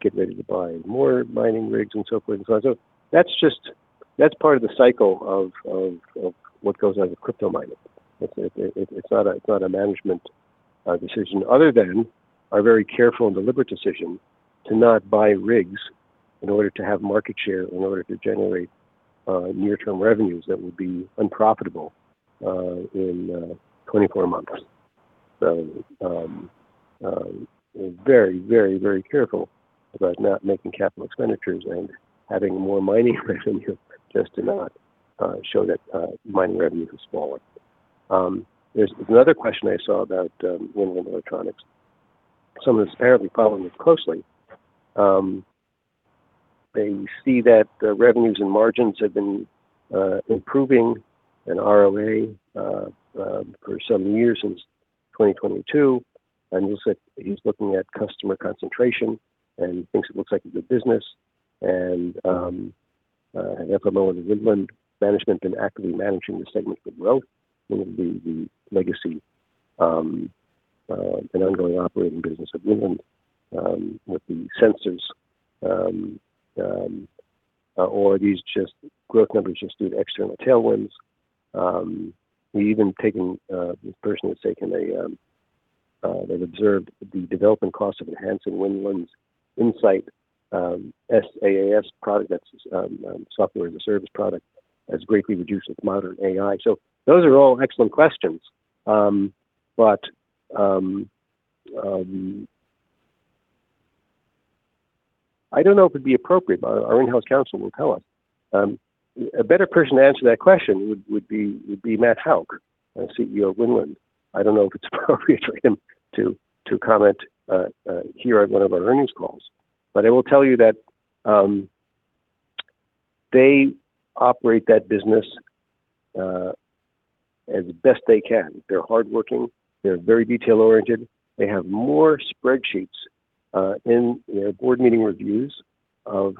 get ready to buy more mining rigs and so forth and so on. That's part of the cycle of what goes on with crypto mining. It's not a management decision other than our very careful and deliberate decision to not buy rigs in order to have market share, in order to generate near-term revenues that would be unprofitable in 24 months. We're very careful about not making capital expenditures and having more mining revenue just to not show that mining revenue is smaller. There's another question I saw about Winland Electronics. Someone's apparently following this closely. They see that the revenues and margins have been improving in ROA for some years since 2022. He's looking at customer concentration and thinks it looks like a good business. FRMO and Winland management have been actively managing this segment with growth, meaning the legacy and ongoing operating business of Winland with the sensors. Or are these growth numbers just due to external tailwinds? This person has observed the development cost of enhancing Winland's INSIGHT SaaS product, that's a software as a service product, has greatly reduced with modern AI. Those are all excellent questions. I don't know if it'd be appropriate, but our in-house counsel will tell us. A better person to answer that question would be Matt Houck, CEO of Winland. I don't know if it's appropriate for him to comment here at one of our earnings calls. I will tell you that they operate that business as best they can. They're hardworking. They're very detail-oriented. They have more spreadsheets in their board meeting reviews of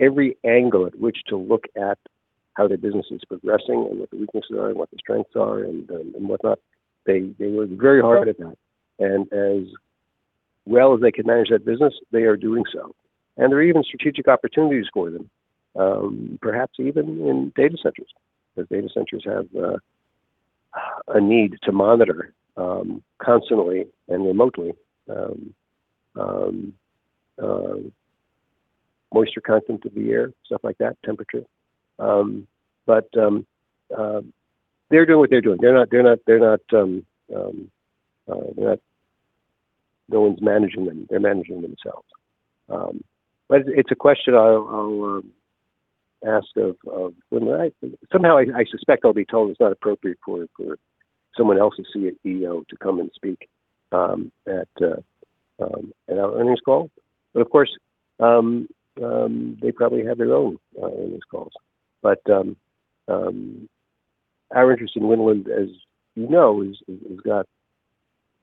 every angle at which to look at how their business is progressing and what the weaknesses are and what the strengths are and whatnot. They work very hard at that. As well as they could manage that business, they are doing so. There are even strategic opportunities for them, perhaps even in data centers, because data centers have a need to monitor constantly and remotely moisture content of the air, stuff like that, temperature. They're doing what they're doing. No one's managing them. They're managing themselves. It's a question I'll ask of Winland. Somehow I suspect I'll be told it's not appropriate for someone else's CEO to come and speak at an earnings call. Of course, they probably have their own earnings calls. Our interest in Winland, as you know, has got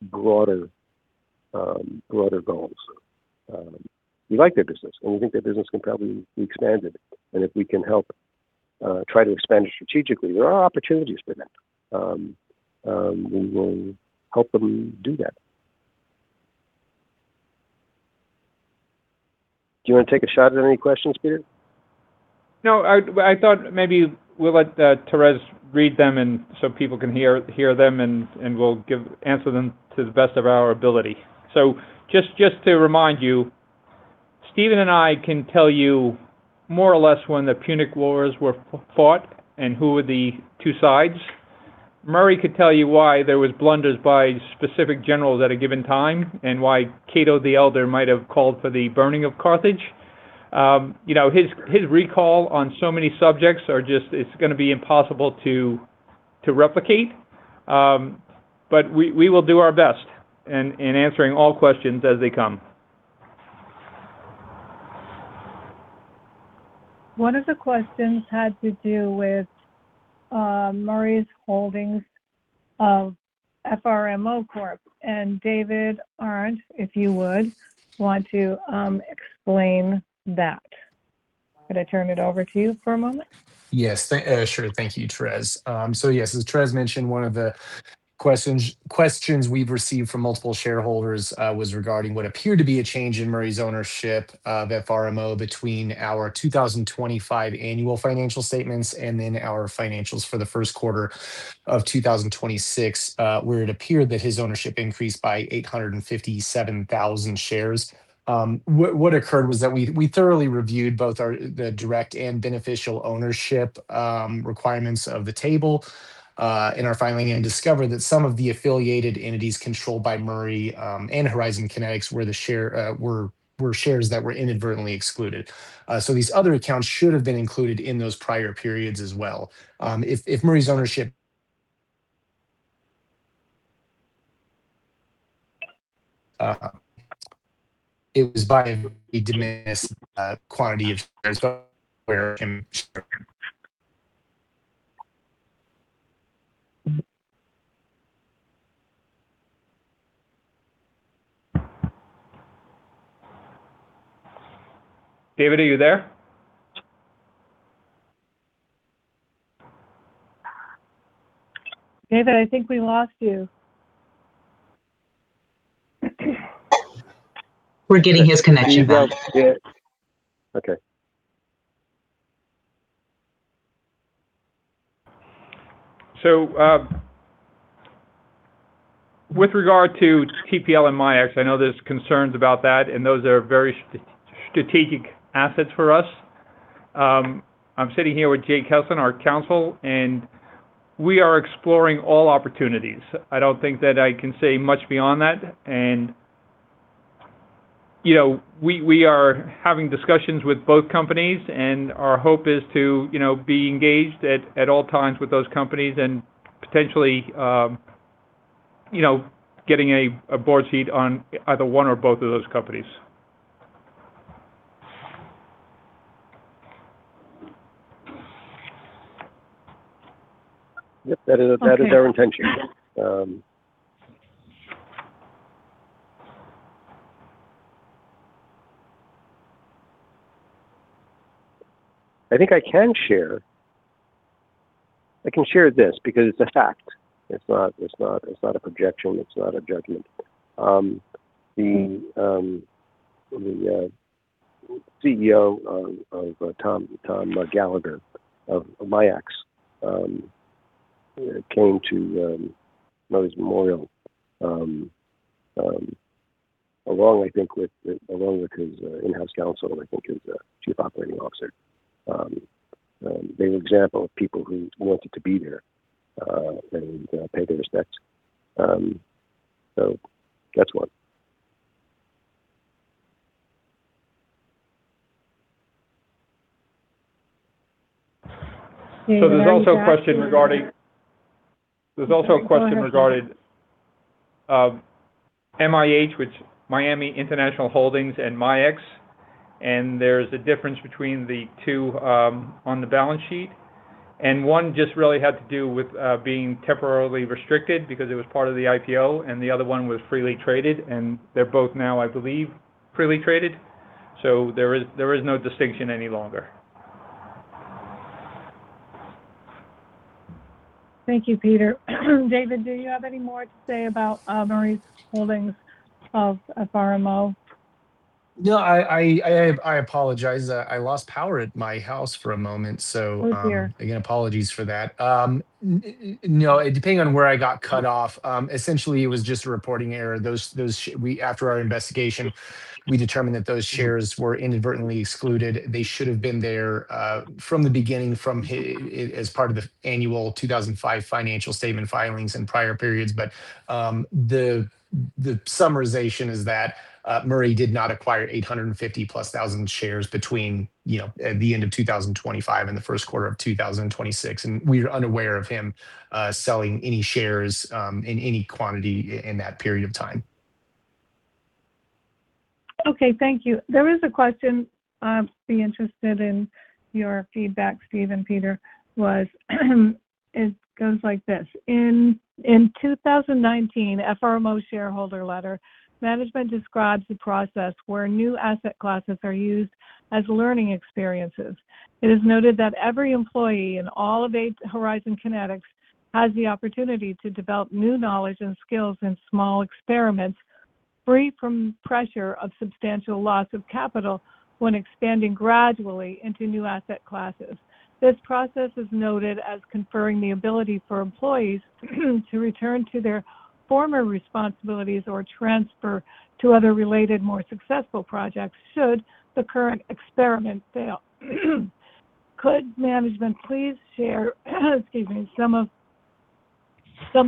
broader goals. We like their business, and we think their business can probably be expanded. If we can help try to expand it strategically, there are opportunities for that. We will help them do that. Do you want to take a shot at any questions, Peter? No, I thought maybe we'll let Thérèse read them so people can hear them, and we'll answer them to the best of our ability. Just to remind you, Steven and I can tell you more or less when the Punic Wars were fought and who were the two sides. Murray could tell you why there was blunders by specific generals at a given time, and why Cato the Elder might have called for the burning of Carthage. His recall on so many subjects, it's going to be impossible to replicate. We will do our best in answering all questions as they come. One of the questions had to do with Murray's holdings of FRMO Corp. David Arndt, if you would want to explain that. Could I turn it over to you for a moment? Yes. Sure. Thank you, Thérèse. Yes, as Thérèse mentioned, one of the questions we've received from multiple shareholders was regarding what appeared to be a change in Murray's ownership of FRMO between our 2025 annual financial statements and then our financials for the Q1 of 2026. It appeared that his ownership increased by 857,000 shares. What occurred was that we thoroughly reviewed both the direct and beneficial ownership requirements of the table in our filing and discovered that some of the affiliated entities controlled by Murray and Horizon Kinetics were shares that were inadvertently excluded. These other accounts should have been included in those prior periods as well. It was by a de minimis quantity of shares. David, are you there? David, I think we lost you. We're getting his connection back. He's back. Yeah. Okay. With regard to TPL and MIAX, I know there's concerns about that, and those are very strategic assets for us. I'm sitting here with Jay Kesslen, our counsel, and we are exploring all opportunities. I don't think that I can say much beyond that. We are having discussions with both companies, and our hope is to be engaged at all times with those companies and potentially getting a board seat on either one or both of those companies. Yep. That is our intention. I think I can share this because it's a fact. It's not a projection. It's not a judgment. The CEO, Tom Gallagher of MIAX, came to Murray Stahl's memorial along, I think, with his in-house counsel, I think his chief operating officer. They were examples of people who wanted to be there and pay their respects. That's one. Yeah. You might be back, Peter. There's also a question regarding MIH, which, Miami International Holdings and MIAX, and there's a difference between the two on the balance sheet. One just really had to do with being temporarily restricted because it was part of the IPO, and the other one was freely traded, and they're both now, I believe, freely traded. There is no distinction any longer. Thank you, Peter. David, do you have any more to say about Murray's holdings of FRMO? No, I apologize. I lost power at my house for a moment. We're here. Again, apologies for that. No, depending on where I got cut off, essentially it was just a reporting error. After our investigation, we determined that those shares were inadvertently excluded. They should've been there from the beginning as part of the annual 2005 financial statement filings in prior periods. The summarization is that Murray did not acquire 850,000+ shares between the end of 2025 and the Q1 of 2026. We're unaware of him selling any shares in any quantity in that period of time. Okay. Thank you. There is a question. I'd be interested in your feedback, Steve and Peter, as it goes like this. In 2019, FRMO shareholder letter, management describes the process where new asset classes are used as learning experiences. It is noted that every employee in all of Horizon Kinetics has the opportunity to develop new knowledge and skills in small experiments free from pressure of substantial loss of capital when expanding gradually into new asset classes. This process is noted as conferring the ability for employees to return to their former responsibilities or transfer to other related more successful projects should the current experiment fail. Could management please share, excuse me, some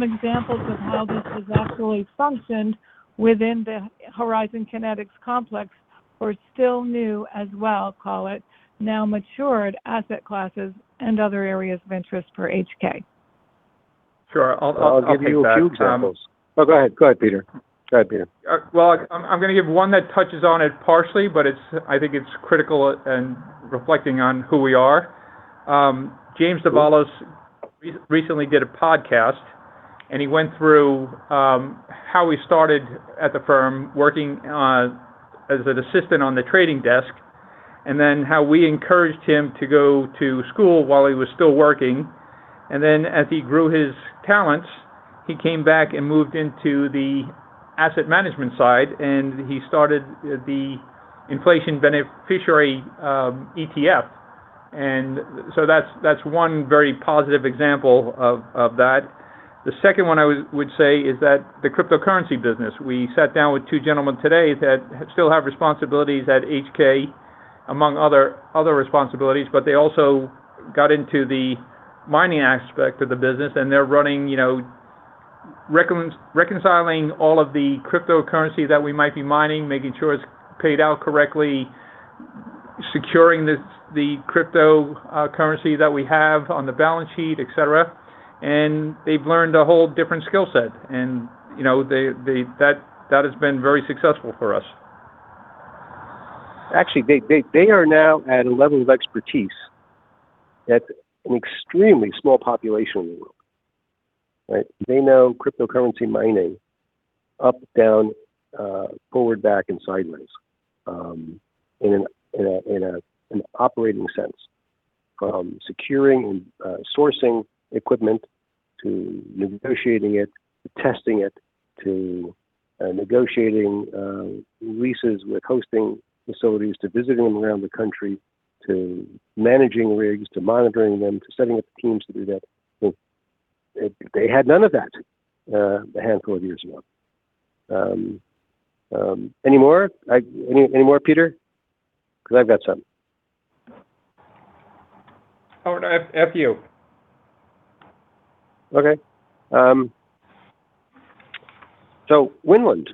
examples of how this has actually functioned within the Horizon Kinetics complex for still new as well, call it, now matured asset classes and other areas of interest for HK? Sure. I'll give you a few examples. I'll take that, Tom. Oh, go ahead, Peter. Well, I'm going to give one that touches on it partially, but I think it's critical in reflecting on who we are. James Davolos recently did a podcast, and he went through how he started at the firm, working as an assistant on the trading desk, and then how we encouraged him to go to school while he was still working. As he grew his talents, he came back and moved into the asset management side, and he started the inflation beneficiary ETF. That's one very positive example of that. The second one I would say is that the cryptocurrency business. We sat down with two gentlemen today that still have responsibilities at HK, among other responsibilities, but they also got into the mining aspect of the business and they're reconciling all of the cryptocurrency that we might be mining, making sure it's paid out correctly, securing the cryptocurrency that we have on the balance sheet, et cetera. They've learned a whole different skill set. That has been very successful for us. Actually, they are now at a level of expertise that an extremely small population in the world. They know cryptocurrency mining up, down, forward, back, and sideways in an operating sense. From securing and sourcing equipment to negotiating it, to testing it, to negotiating leases with hosting facilities, to visiting them around the country, to managing rigs, to monitoring them, to setting up teams to do that. They had none of that a handful of years ago. Any more, Peter? Because I've got some. Howard, after you. Okay. Windland.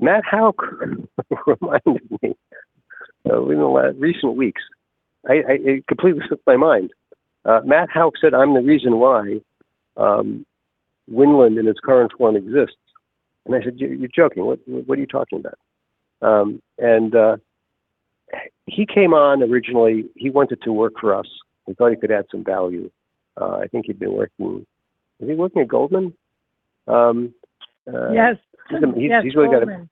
Matt Houck reminded me in recent weeks. It completely slipped my mind. Matt Houck said I'm the reason why Windland in its current form exists. I said, "You're joking. What are you talking about?" He came on originally, he wanted to work for us. We thought he could add some value. I think he'd been working. Was he working at Goldman? Yes. He's really got a- Yes, Goldman.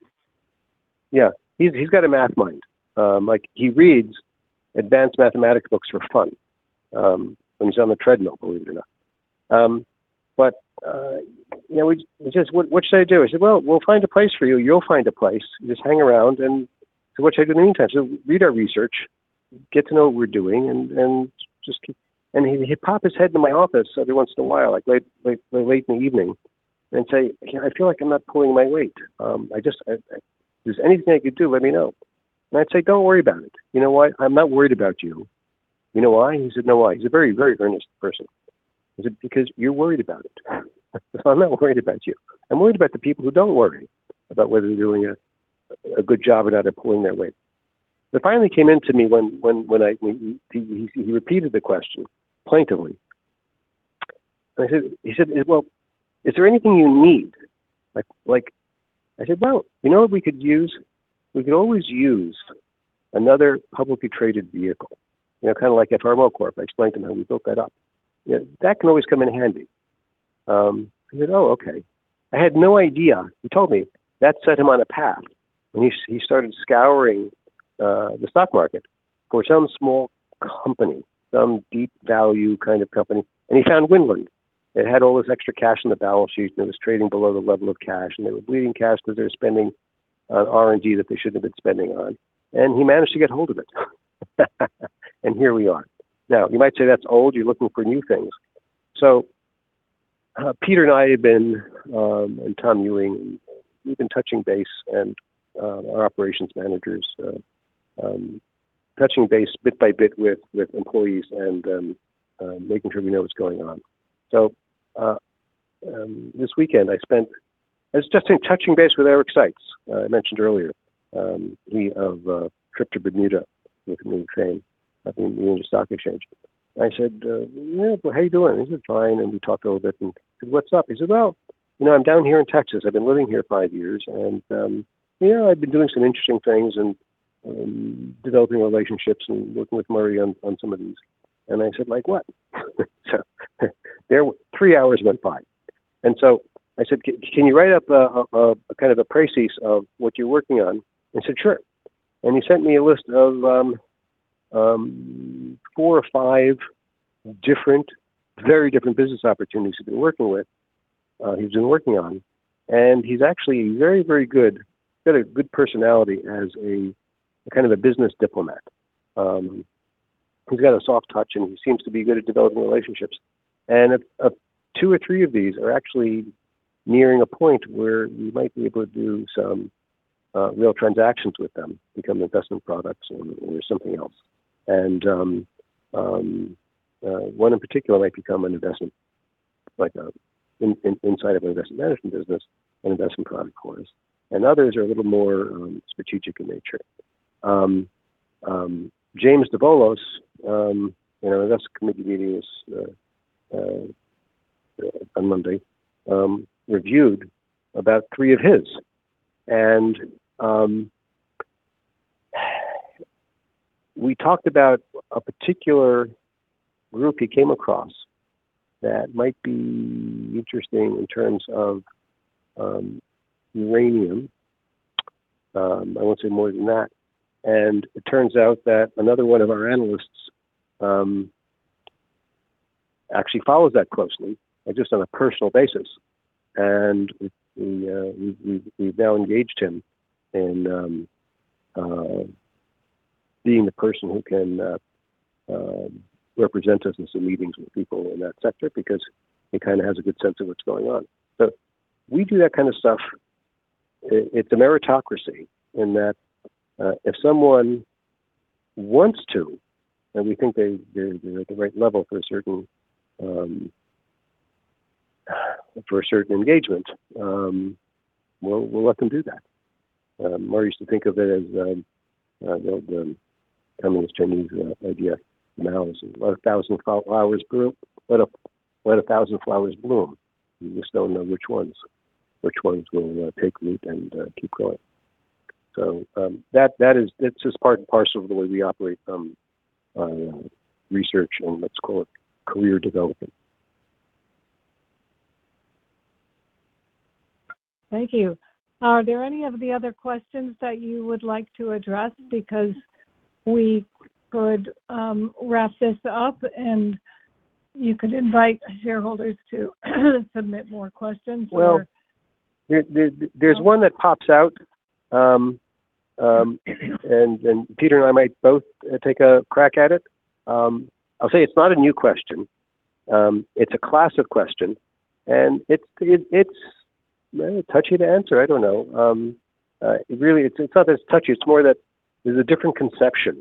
Yeah. He's got a math mind. He reads advanced mathematics books for fun, when he's on the treadmill, believe it or not. He says, "What should I do?" I said, "Well, we'll find a place for you. You'll find a place. Just hang around." "What should I do in the meantime?" I said, "Read our research, get to know what we're doing." He'd pop his head in my office every once in a while, like late in the evening and say, "I feel like I'm not pulling my weight. If there's anything I could do, let me know." I'd say, "Don't worry about it. You know why? I'm not worried about you. You know why?" He said, "No, why?" He's a very earnest person. I said, "Because you're worried about it. So I'm not worried about you. I'm worried about the people who don't worry about whether they're doing a good job or not, or pulling their weight." It finally came to me when he repeated the question, plaintively. He said, "Well, is there anything you need?" I said, "Well, you know what we could use? We could always use another publicly traded vehicle." You know, kind of like FRMO Corp. I explained to him how we built that up. That can always come in handy. He said, "Oh, okay." I had no idea. He told me that set him on a path, and he started scouring the stock market for some small company. Some deep value kind of company. He found Winland. It had all this extra cash on the balance sheet that was trading below the level of cash, and they were bleeding cash because they were spending on R&D that they shouldn't have been spending on. He managed to get hold of it. Here we are. Now, you might say that's old. You're looking for new things. Peter and I have been, and Tom Ewing, we've been touching base and our operations managers, touching base bit by bit with employees and making sure we know what's going on. This weekend I was just touching base with Eric Seitz, I mentioned earlier, about a trip to Bermuda with the new team up in the Boston Stock Exchange. I said, "Well, how are you doing?" He said, "Fine." We talked a little bit and said, "What's up?" He said, "Well, I'm down here in Texas. I've been living here five years, and I've been doing some interesting things and developing relationships and working with Murray on some of these." I said, "Like what?" Three hours went by. I said, "Can you write up a kind of a precis of what you're working on?" He said, "Sure." He sent me a list of four or five very different business opportunities he's been working on. He's actually very, very good. He's got a good personality as a kind of a business diplomat. He's got a soft touch, and he seems to be good at developing relationships. Two or three of these are actually nearing a point where we might be able to do some real transactions with them, become investment products or something else. One in particular might become, inside of an investment management business, an investment product for us. Others are a little more strategic in nature. James Davolos, our investment committee meeting is on Monday. He reviewed about three of his. We talked about a particular group he came across that might be interesting in terms of uranium. I won't say more than that. It turns out that another one of our analysts actually follows that closely, just on a personal basis. We've now engaged him in being the person who can represent us in some meetings with people in that sector because he kind of has a good sense of what's going on. We do that kind of stuff. It's a meritocracy in that if someone wants to, and we think they're at the right level for a certain engagement, we'll let them do that. Murray used to think of it as the communist Chinese idea, Now, let a thousand flowers bloom. You just don't know which ones will take root and keep growing. That is part and parcel of the way we operate research and let's call it career development. Thank you. Are there any of the other questions that you would like to address? Because we could wrap this up, and you could invite shareholders to submit more questions or Well, there's one that pops out. Peter and I might both take a crack at it. I'll say it's not a new question. It's a classic question. It's touchy to answer. I don't know. Really, it's not that it's touchy. It's more that there's a different conception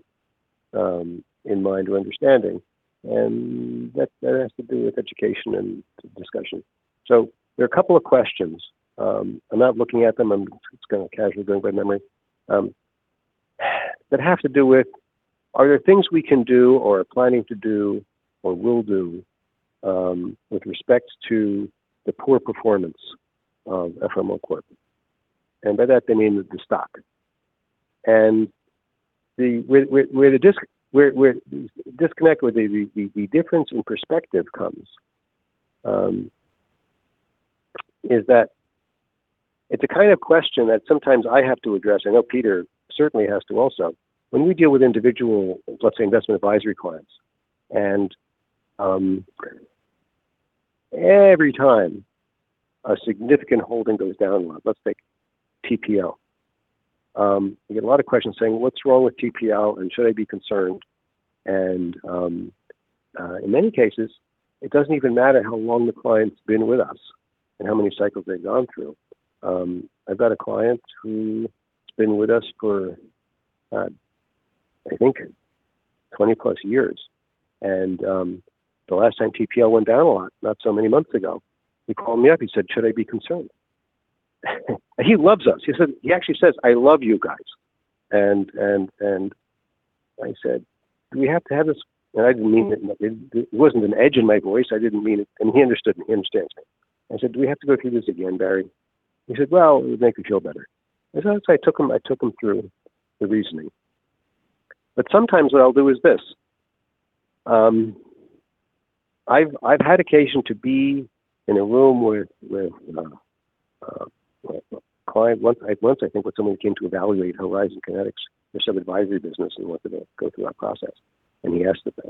in mind or understanding. That has to do with education and discussion. There are a couple of questions. I'm not looking at them. I'm just going to casually go by memory. That have to do with, are there things we can do or are planning to do or will do, with respect to the poor performance of FRMO Corp.? By that they mean with the stock. Where the disconnect or the difference in perspective comes is that it's a kind of question that sometimes I have to address. I know Peter certainly has to also. When we deal with individual, let's say investment advisory clients, and every time a significant holding goes down a lot, let's take TPL. We get a lot of questions saying, "What's wrong with TPL?" And, "Should I be concerned?" In many cases, it doesn't even matter how long the client's been with us and how many cycles they've gone through. I've got a client who's been with us for, I think 20+ years. The last time TPL went down a lot, not so many months ago, he called me up, he said, "Should I be concerned?" He loves us. He actually says, "I love you guys." I said, "Do we have to have this." I didn't mean it in. There wasn't an edge in my voice. I didn't mean it, and he understood. He understands me. I said, "Do we have to go through this again, Barry?" He said, "Well, it would make me feel better." I took him through the reasoning. Sometimes what I'll do is this. I've had occasion to be in a room with a client once, I think, with someone who came to evaluate Horizon Kinetics for some advisory business and wanted to go through our process, and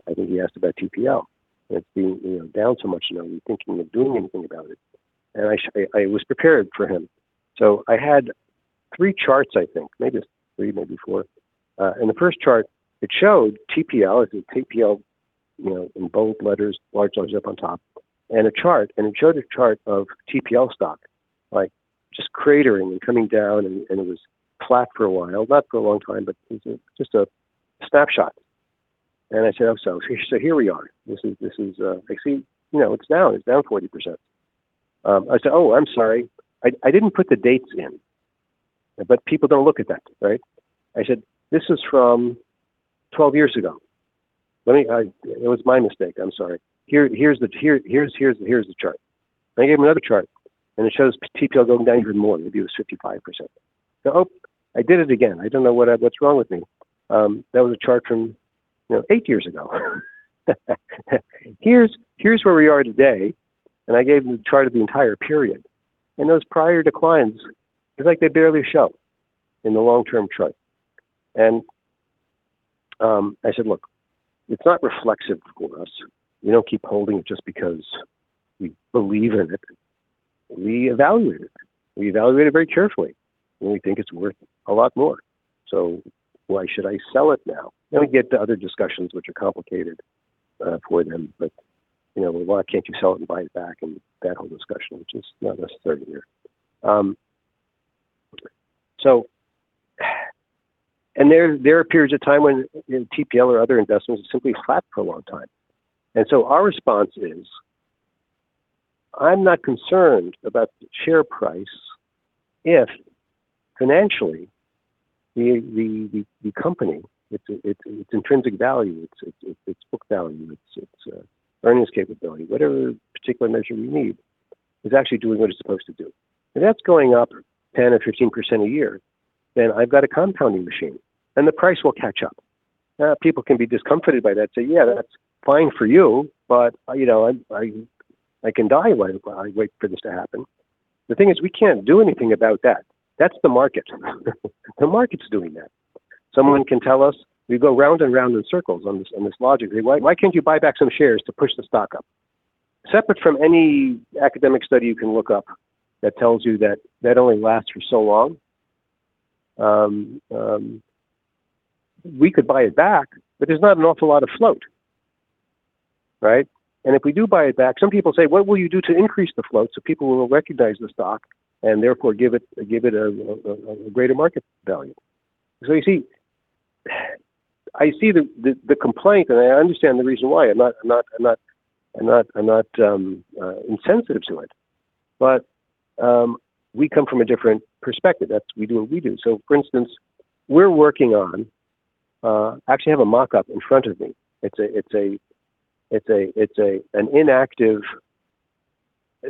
I think he asked about TPL, and it being down so much, "Are you thinking of doing anything about it?" I was prepared for him. I had three charts I think, maybe it was three, maybe four. In the first chart, it showed TPL, it said TPL in bold letters, large letters up on top, and a chart. It showed a chart of TPL stock, just cratering and coming down, and it was flat for a while, not for a long time, but it was just a snapshot. I said, "Oh, so here we are. You see, it's down 40%." I said, "Oh, I'm sorry. I didn't put the dates in." But people don't look at that, right? I said, "This is from 12 years ago. It was my mistake. I'm sorry. Here's the chart." I gave him another chart, and it shows TPL going down even more. Maybe it was 55%. I go, "Oh, I did it again. I don't know what's wrong with me. That was a chart from eight years ago. Here's where we are today." I gave him the chart of the entire period. Those prior declines, it's like they barely show in the long-term chart. I said, "Look, it's not reflexive for us. We don't keep holding it just because we believe in it. We evaluate it. We evaluate it very carefully, and we think it's worth a lot more. So why should I sell it now?" We get to other discussions which are complicated for them. Why can't you sell it and buy it back, and that whole discussion, which is not necessarily here. There are periods of time when TPL or other investments have simply flat for a long time. Our response is, I'm not concerned about the share price if financially, the company, its intrinsic value, its book value, its earnings capability, whatever particular measure you need, is actually doing what it's supposed to do. If that's going up 10% to 15% a year, then I've got a compounding machine, and the price will catch up. People can be discomforted by that, say, "Yeah, that's fine for you, but I can die while I wait for this to happen." The thing is, we can't do anything about that. That's the market. The market's doing that. Someone can tell us, we go round and round in circles on this logic. Why can't you buy back some shares to push the stock up? Separate from any academic study you can look up that tells you that only lasts for so long. We could buy it back, but there's not an awful lot of float. Right? If we do buy it back, some people say, "What will you do to increase the float so people will recognize the stock and therefore give it a greater market value?" You see, I see the complaint and I understand the reason why. I'm not insensitive to it. We come from a different perspective. That's we do what we do. For instance, we're working on, actually I have a mock-up in front of me. It's an inactive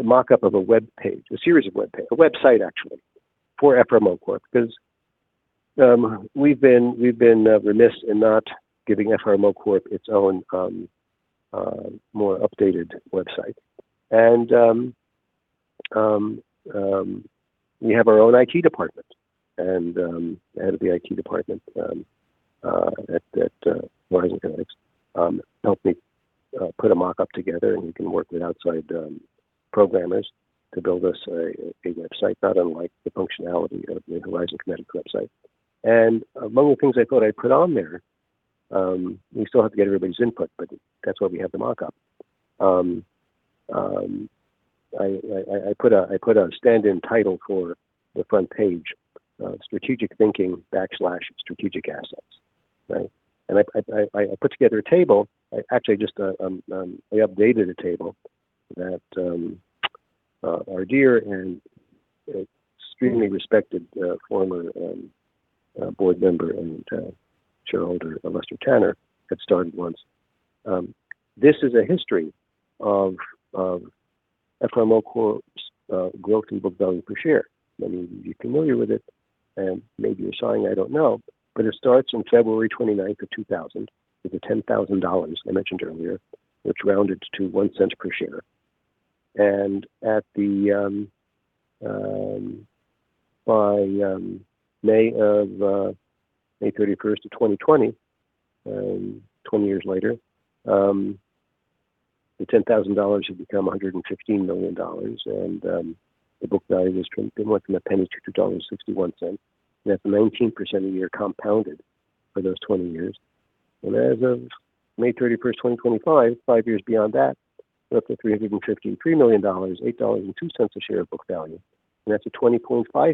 mock-up of a webpage, a series of webpages, a website actually, for FRMO Corp. because we've been remiss in not giving FRMO Corp. its own more updated website. We have our own IT department. The head of the IT department at Horizon Kinetics helped me put a mock-up together, and we can work with outside programmers to build us a website, not unlike the functionality of the Horizon Kinetics website. Among the things I thought I'd put on there, we still have to get everybody's input, but that's why we have the mock-up. I put a stand-in title for the front page, Strategic Thinking / Strategic Assets. Right? I put together a table. Actually just, I updated a table that our dear and extremely respected former board member and shareholder, Lester Tanner, had started once. This is a history of FRMO Corp.'s growth in book value per share. Many of you are familiar with it, and maybe you're sighing, I don't know. It starts on February 29, 2000 with the $10,000 I mentioned earlier, which rounded to 1 cent per share. By May 31, 2020, 20 years later, the $10,000 had become $115 million. The book value has grown from a penny to $2.61. That's 19% a year compounded for those 20 years. As of May 31, 2025, five years beyond that, we're up to $353 million, $8.02 a share of book value. That's a 20.5%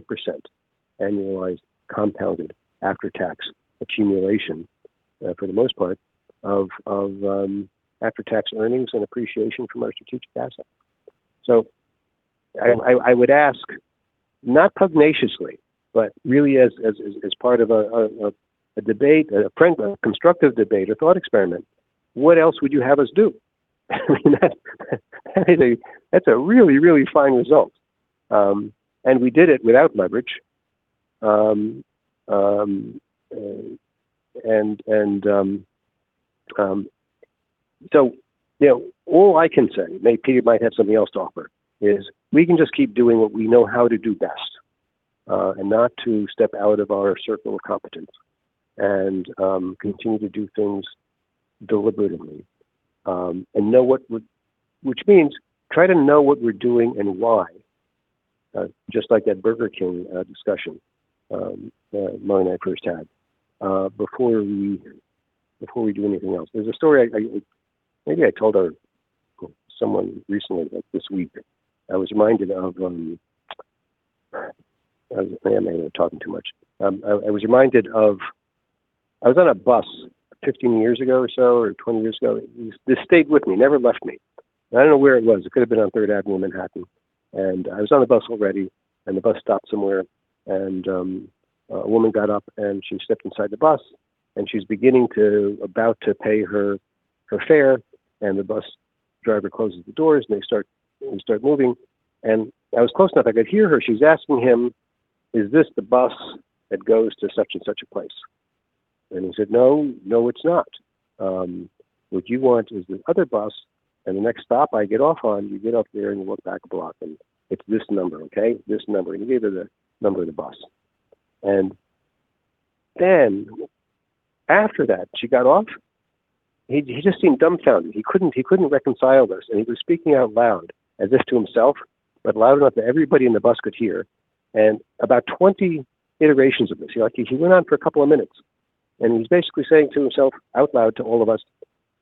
annualized compounded after-tax accumulation, for the most part, of after-tax earnings and appreciation from our strategic asset. I would ask, not pugnaciously, but really as part of a debate, a constructive debate, a thought experiment, what else would you have us do? That's a really fine result. We did it without leverage. All I can say, maybe Peter might have something else to offer, is we can just keep doing what we know how to do best, and not to step out of our circle of competence, and continue to do things deliberately. Which means try to know what we're doing and why, just like that Burger King discussion Mao and I first had, before we do anything else. There's a story maybe I told someone recently, like this week. I may be talking too much. I was reminded of, I was on a bus 15 years ago or so, or 20 years ago. This stayed with me, never left me. I don't know where it was. It could have been on Third Avenue in Manhattan. I was on the bus already, and the bus stopped somewhere, and a woman got on and she stepped inside the bus, and she's about to pay her fare, and the bus driver closes the doors, and they start moving, and I was close enough, I could hear her. She's asking him, "Is this the bus that goes to such and such a place?" He said, "No, it's not. What you want is this other bus, and the next stop you get off on, you get off there and you walk back a block and it's this number, okay? This number." He gave her the number of the bus. After that, she got off. He just seemed dumbfounded. He couldn't reconcile this, and he was speaking out loud as if to himself, but loud enough that everybody in the bus could hear. About 20 iterations of this. He went on for a couple of minutes, and he's basically saying to himself out loud to all of us,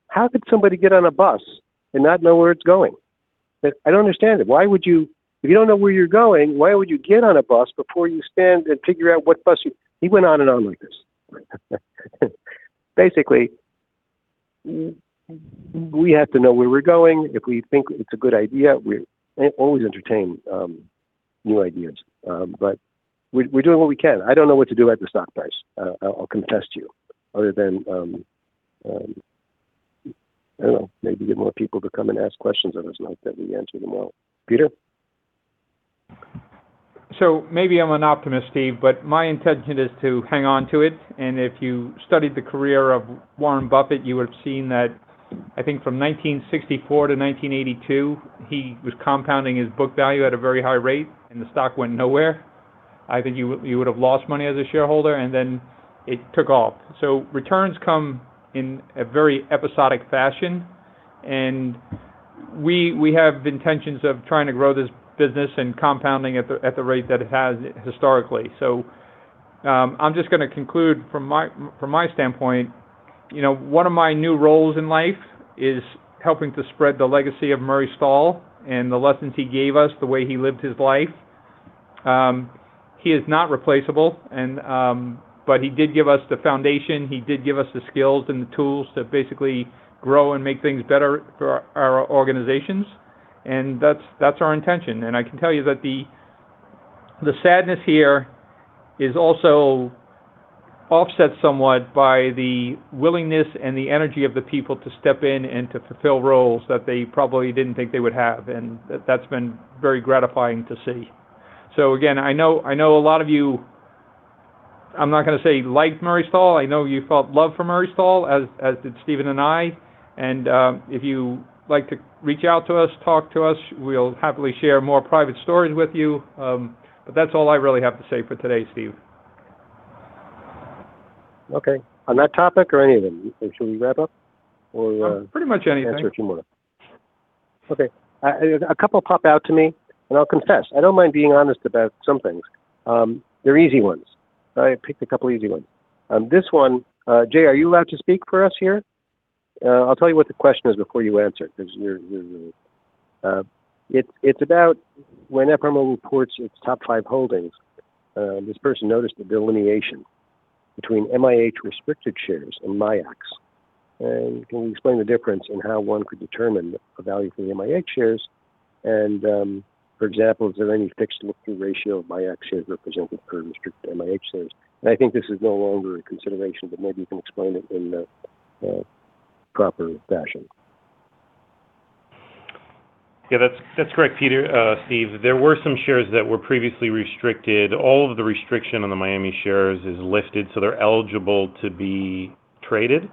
"How could somebody get on a bus and not know where it's going? I don't understand it. If you don't know where you're going, why would you get on a bus before you stand and figure out what bus you." He went on and on like this. Basically, we have to know where we're going. If we think it's a good idea, we always entertain new ideas. We're doing what we can. I don't know what to do about the stock price. I'll confess to you, other than, I don't know, maybe get more people to come and ask questions of us, not that we answer them all. Peter? Maybe I'm an optimist, Steve, but my intention is to hang on to it. If you studied the career of Warren Buffett, you would've seen that, I think from 1964 to 1982, he was compounding his book value at a very high rate, and the stock went nowhere. I think you would've lost money as a shareholder, and then it took off. Returns come in a very episodic fashion, and we have intentions of trying to grow this business and compounding at the rate that it has historically. I'm just going to conclude from my standpoint. One of my new roles in life is helping to spread the legacy of Murray Stahl and the lessons he gave us, the way he lived his life. He is not replaceable, but he did give us the foundation. He did give us the skills and the tools to basically grow and make things better for our organizations, and that's our intention. I can tell you that the sadness here is also offset somewhat by the willingness and the energy of the people to step in and to fulfill roles that they probably didn't think they would have. That's been very gratifying to see. Again, I know a lot of you, I'm not going to say liked Murray Stahl. I know you felt love for Murray Stahl, as did Steven and I. If you like to reach out to us, talk to us, we'll happily share more private stories with you. That's all I really have to say for today, Steve. Okay. On that topic or any of them? Should we wrap up or? Pretty much anything. Answer a few more? Okay. A couple pop out to me, and I'll confess, I don't mind being honest about some things. They're easy ones. I picked a couple easy ones. This one. Jay, are you allowed to speak for us here? I'll tell you what the question is before you answer it. It's about when FRMO reports its top five holdings. This person noticed the delineation between MIH restricted shares and MIAX. Can you explain the difference in how one could determine the value for the MIH shares? And, for example, is there any fixed look-through ratio of MIAX shares represented per restricted MIH shares? And I think this is no longer a consideration, but maybe you can explain it in the proper fashion. Yeah, that's correct, Steve. There were some shares that were previously restricted. All of the restriction on the Miami shares is lifted, so they're eligible to be traded.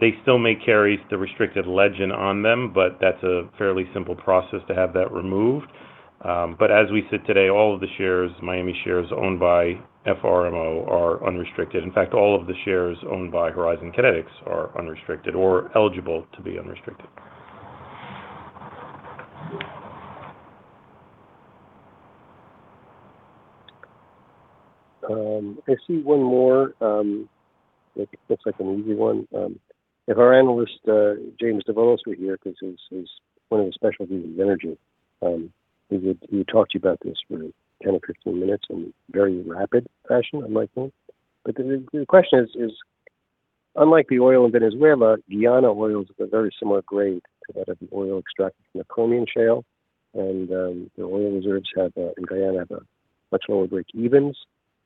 They still may carry the restricted legend on them, but that's a fairly simple process to have that removed. As we sit today, all of the Miami shares owned by FRMO are unrestricted. In fact, all of the shares owned by Horizon Kinetics are unrestricted or eligible to be unrestricted. I see one more. Looks like an easy one. If our analyst, James Davolos, was here because one of his specialties is energy. He would talk to you about this for 10 or 15 minutes in very rapid fashion, I might think. The question is, unlike the oil in Venezuela, Guyana oil is a very similar grade to that of the oil extracted from the Permian Shale, and the oil reserves in Guyana have much lower breakevens.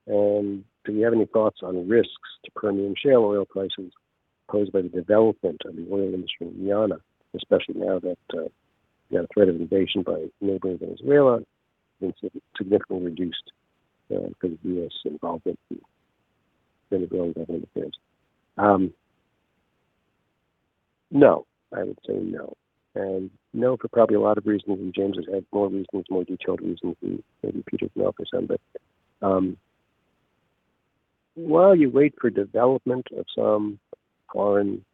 Do you have any thoughts on risks to Permian Shale oil prices posed by the development of the oil industry in Guyana, especially now that the threat of invasion by neighboring Venezuela has been significantly reduced because of U.S. involvement in the Venezuelan government affairs? No, I would say no. No for probably a lot of reasons, and James has had more reasons, more detailed reasons. Maybe Peter can offer some. While you wait for development of some foreign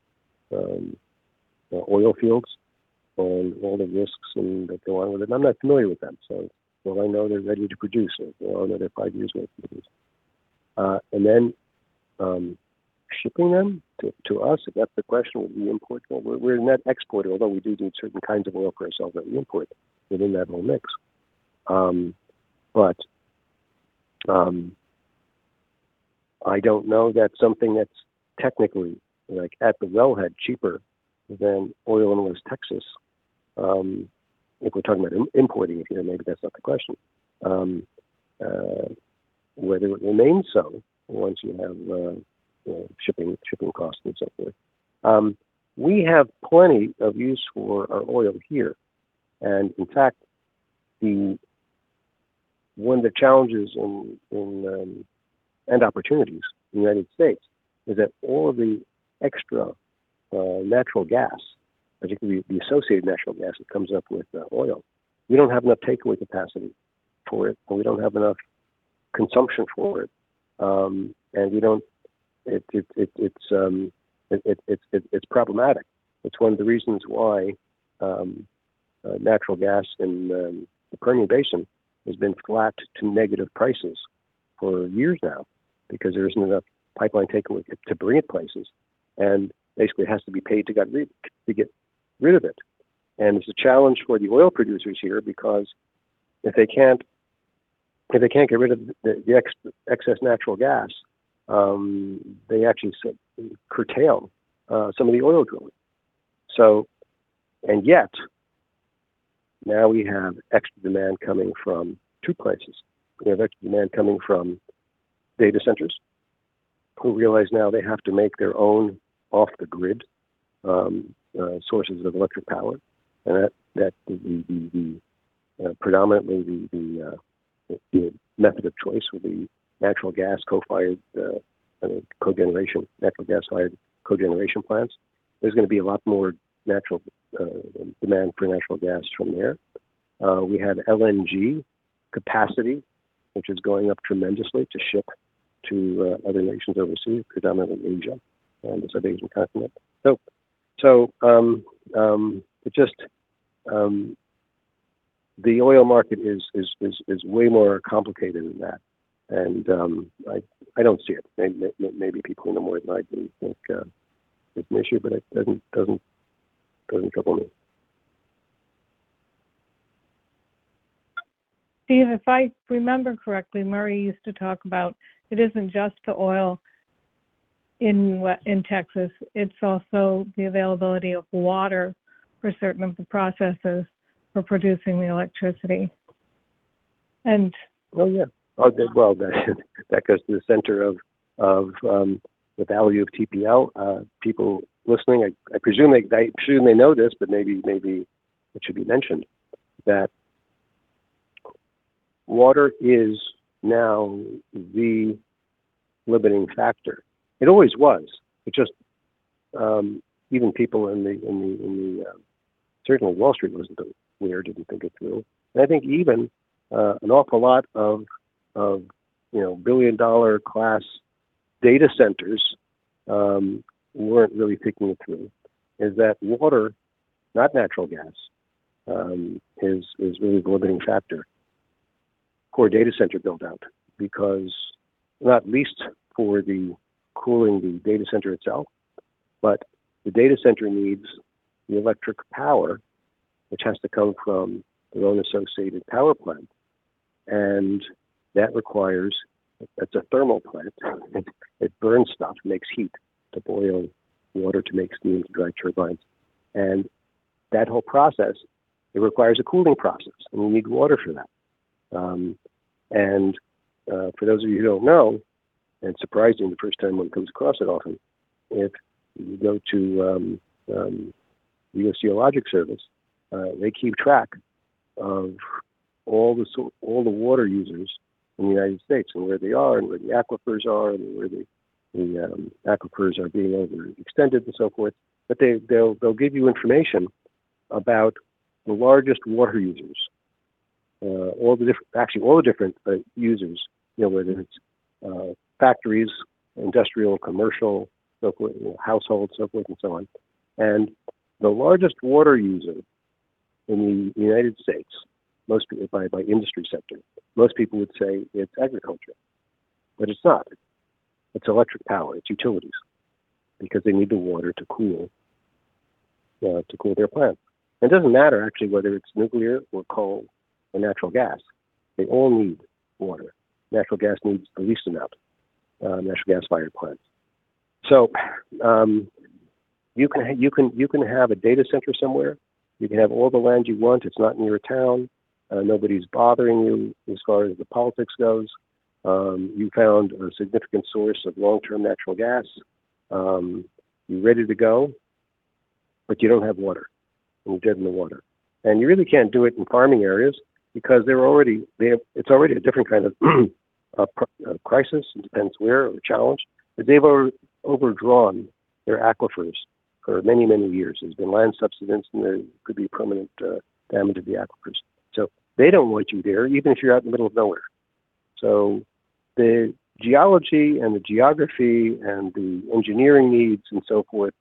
oil fields and all the risks that go along with it, and I'm not familiar with them, so, will I know they're ready to produce or they're another five years away from production. Then shipping them to us, if that's the question, would we import? Well, we're a net exporter, although we do certain kinds of oil ourselves that we import within that whole mix. I don't know that something that's technically at the wellhead cheaper than oil in West Texas, if we're talking about importing it here, maybe that's not the question whether it remains so once you have shipping costs and so forth. We have plenty of use for our oil here, and in fact, the one of the challenges and opportunities in the United States is that all the extra natural gas, particularly the associated natural gas that comes up with oil, we don't have enough takeaway capacity for it, and we don't have enough consumption for it. It's problematic. It's one of the reasons why natural gas in the Permian Basin has been collapsed to negative prices for years now, because there isn't enough pipeline takeaway to bring it places, and basically, it has to be paid to get rid of it. It's a challenge for the oil producers here, because if they can't get rid of the excess natural gas, they actually curtail some of the oil drilling. Yet, now we have extra demand coming from two places. We have extra demand coming from data centers, who realize now they have to make their own off-the-grid sources of electric power. Predominantly, the method of choice will be natural gas-fired cogeneration plants. There's going to be a lot more demand for natural gas from there. We have LNG capacity, which is going up tremendously to ship to other nations overseas, predominantly Asia and the South Asian continent. The oil market is way more complicated than that. I don't see it. Maybe people know more than I do, I think it's an issue, but it doesn't trouble me. Steve, if I remember correctly, Murray used to talk about, it isn't just the oil in Texas, it's also the availability of water for certain of the processes for producing the electricity. Oh, yeah. Well, that goes to the center of the value of TPL. People listening, I presume they know this, but maybe it should be mentioned that water is now the limiting factor. It always was. Certainly Wall Street was a bit weird, didn't think it through. I think even an awful lot of billion-dollar class data centers weren't really thinking it through, that is, water, not natural gas, is really the limiting factor for data center build-out. Because, not least, for the cooling, the data center itself, but the data center needs the electric power, which has to come from its own associated power plant. That's a thermal plant. It burns stuff, makes heat to boil water, to make steam to drive turbines. That whole process, it requires a cooling process, and we need water for that. For those of you who don't know, and surprisingly, the first time one comes across it often, if you go to the U.S. Geological Survey, they keep track of all the water users in the United States, and where they are, and where the aquifers are, and where the aquifers are being overextended and so forth. They'll give you information about the largest water users. Actually, all the different users, whether it's factories, industrial, commercial, so forth, households, so forth and so on. The largest water user in the United States, by industry sector, most people would say it's agriculture. It's not. It's electric power. It's utilities. Because they need the water to cool their plant. It doesn't matter, actually, whether it's nuclear or coal or natural gas. They all need water. Natural gas needs the least amount, natural gas-fired plants. You can have a data center somewhere, you can have all the land you want, it's not near a town, nobody's bothering you as far as the politics goes. You found a significant source of long-term natural gas. You're ready to go, but you don't have water. You're dead in the water. You really can't do it in farming areas because it's already a different kind of crisis. It depends where, or the challenge, but they've overdrawn their aquifers for many, many years. There's been land subsidence, and there could be permanent damage of the aquifers. They don't want you there, even if you're out in the middle of nowhere. The geology and the geography and the engineering needs and so forth,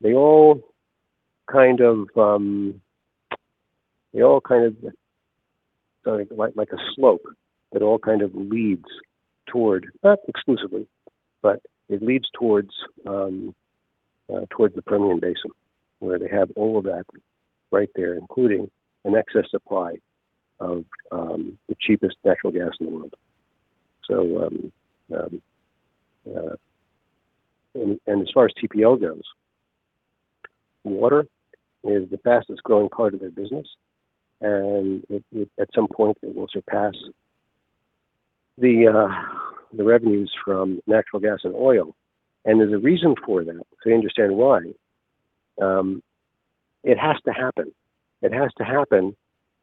they all kind of like a slope. It all kind of leads toward, not exclusively, but it leads towards the Permian Basin, where they have all of that right there, including an excess supply of the cheapest natural gas in the world. As far as TPL goes, water is the fastest-growing part of their business, and at some point, it will surpass the revenues from natural gas and oil. There's a reason for that, if you understand why. It has to happen. It has to happen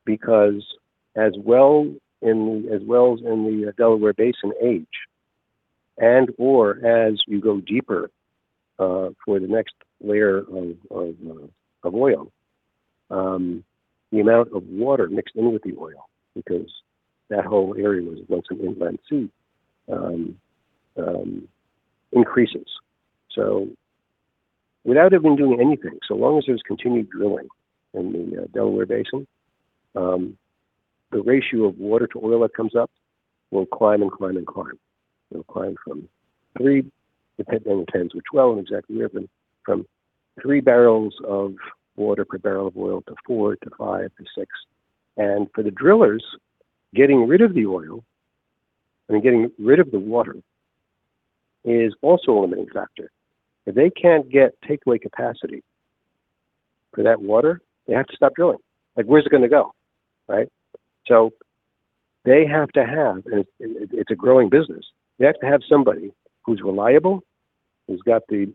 because as wells in the Delaware Basin age and/or as you go deeper for the next layer of oil, the amount of water mixed in with the oil, because that whole area was once an inland sea, increases. Without having been doing anything, so long as there's continued drilling in the Delaware Basin, the ratio of water to oil that comes up will climb and climb and climb. It'll climb from three barrels of water per barrel of oil to four to five to six. For the drillers, getting the oil and getting rid of the water is also a limiting factor. If they can't get takeaway capacity for that water, they have to stop drilling. Like, where's it going to go, right? They have to have, and it's a growing business, somebody who's reliable, who's got the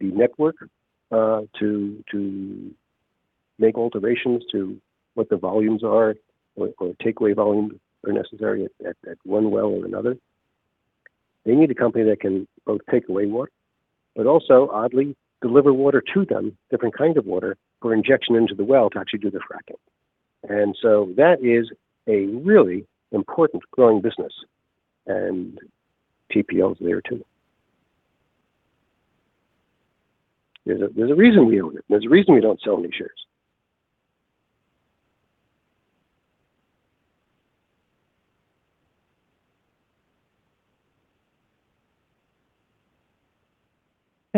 network to make alterations to what the volumes are or takeaway volumes are necessary at one well or another. They need a company that can both take away water, but also, oddly, deliver water to them, different kind of water, for injection into the well to actually do the fracking. That is a really important growing business, and TPL is there too. There's a reason we own it. There's a reason we don't sell any shares.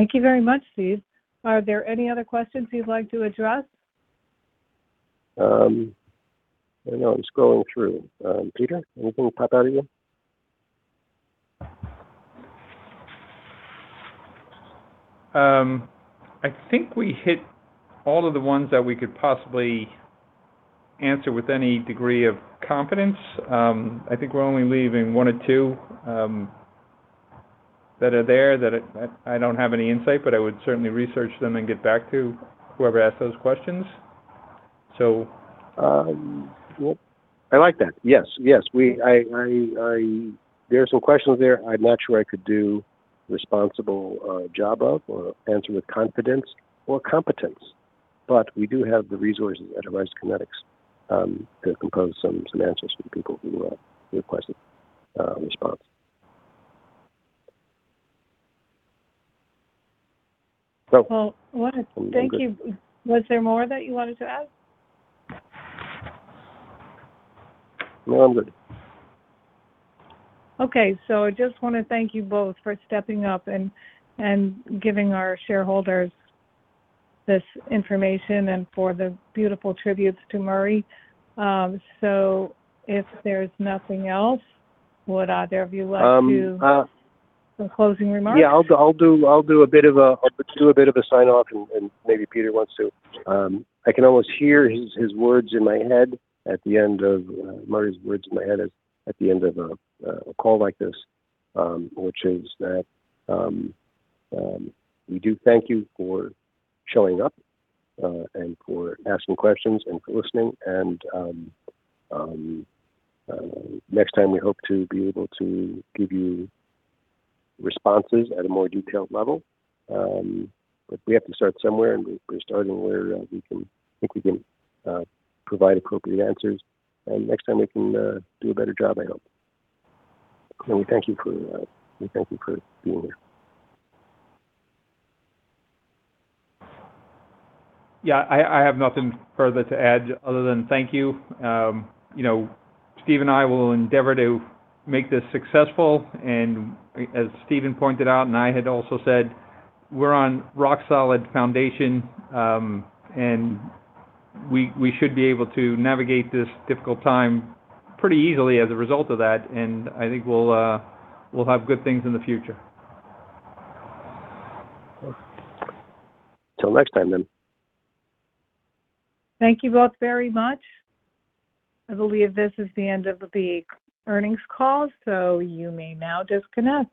Thank you very much, Steve. Are there any other questions you'd like to address? I don't know. I'm scrolling through. Peter, anything pop out at you? I think we hit all of the ones that we could possibly answer with any degree of confidence. I think we're only leaving one or two that are there that I don't have any insight, but I would certainly research them and get back to whoever asked those questions. I like that. Yes. There are some questions there I'm not sure I could do a responsible job of or answer with confidence or competence. We do have the resources at Horizon Kinetics to compose some answers for the people who requested a response. Well, thank you. Was there more that you wanted to add? No, I'm good. Okay, I just want to thank you both for stepping up and giving our shareholders this information and for the beautiful tributes to Murray. If there's nothing else, would either of you like to make some closing remarks? Yeah, I'll do a bit of a sign-off, and maybe Peter wants to. I can almost hear Murray's words in my head at the end of a call like this, which is that we do thank you for showing up and for asking questions and for listening and next time we hope to be able to give you responses at a more detailed level. We have to start somewhere, and we're starting where we think we can provide appropriate answers. Next time we can do a better job, I hope. We thank you for being here. Yeah, I have nothing further to add other than thank you. Steve and I will endeavor to make this successful. As Steven pointed out and I had also said, we're on rock solid foundation, and we should be able to navigate this difficult time pretty easily as a result of that. I think we'll have good things in the future. Till next time, then. Thank you both very much. I believe this is the end of the earnings call, so you may now disconnect.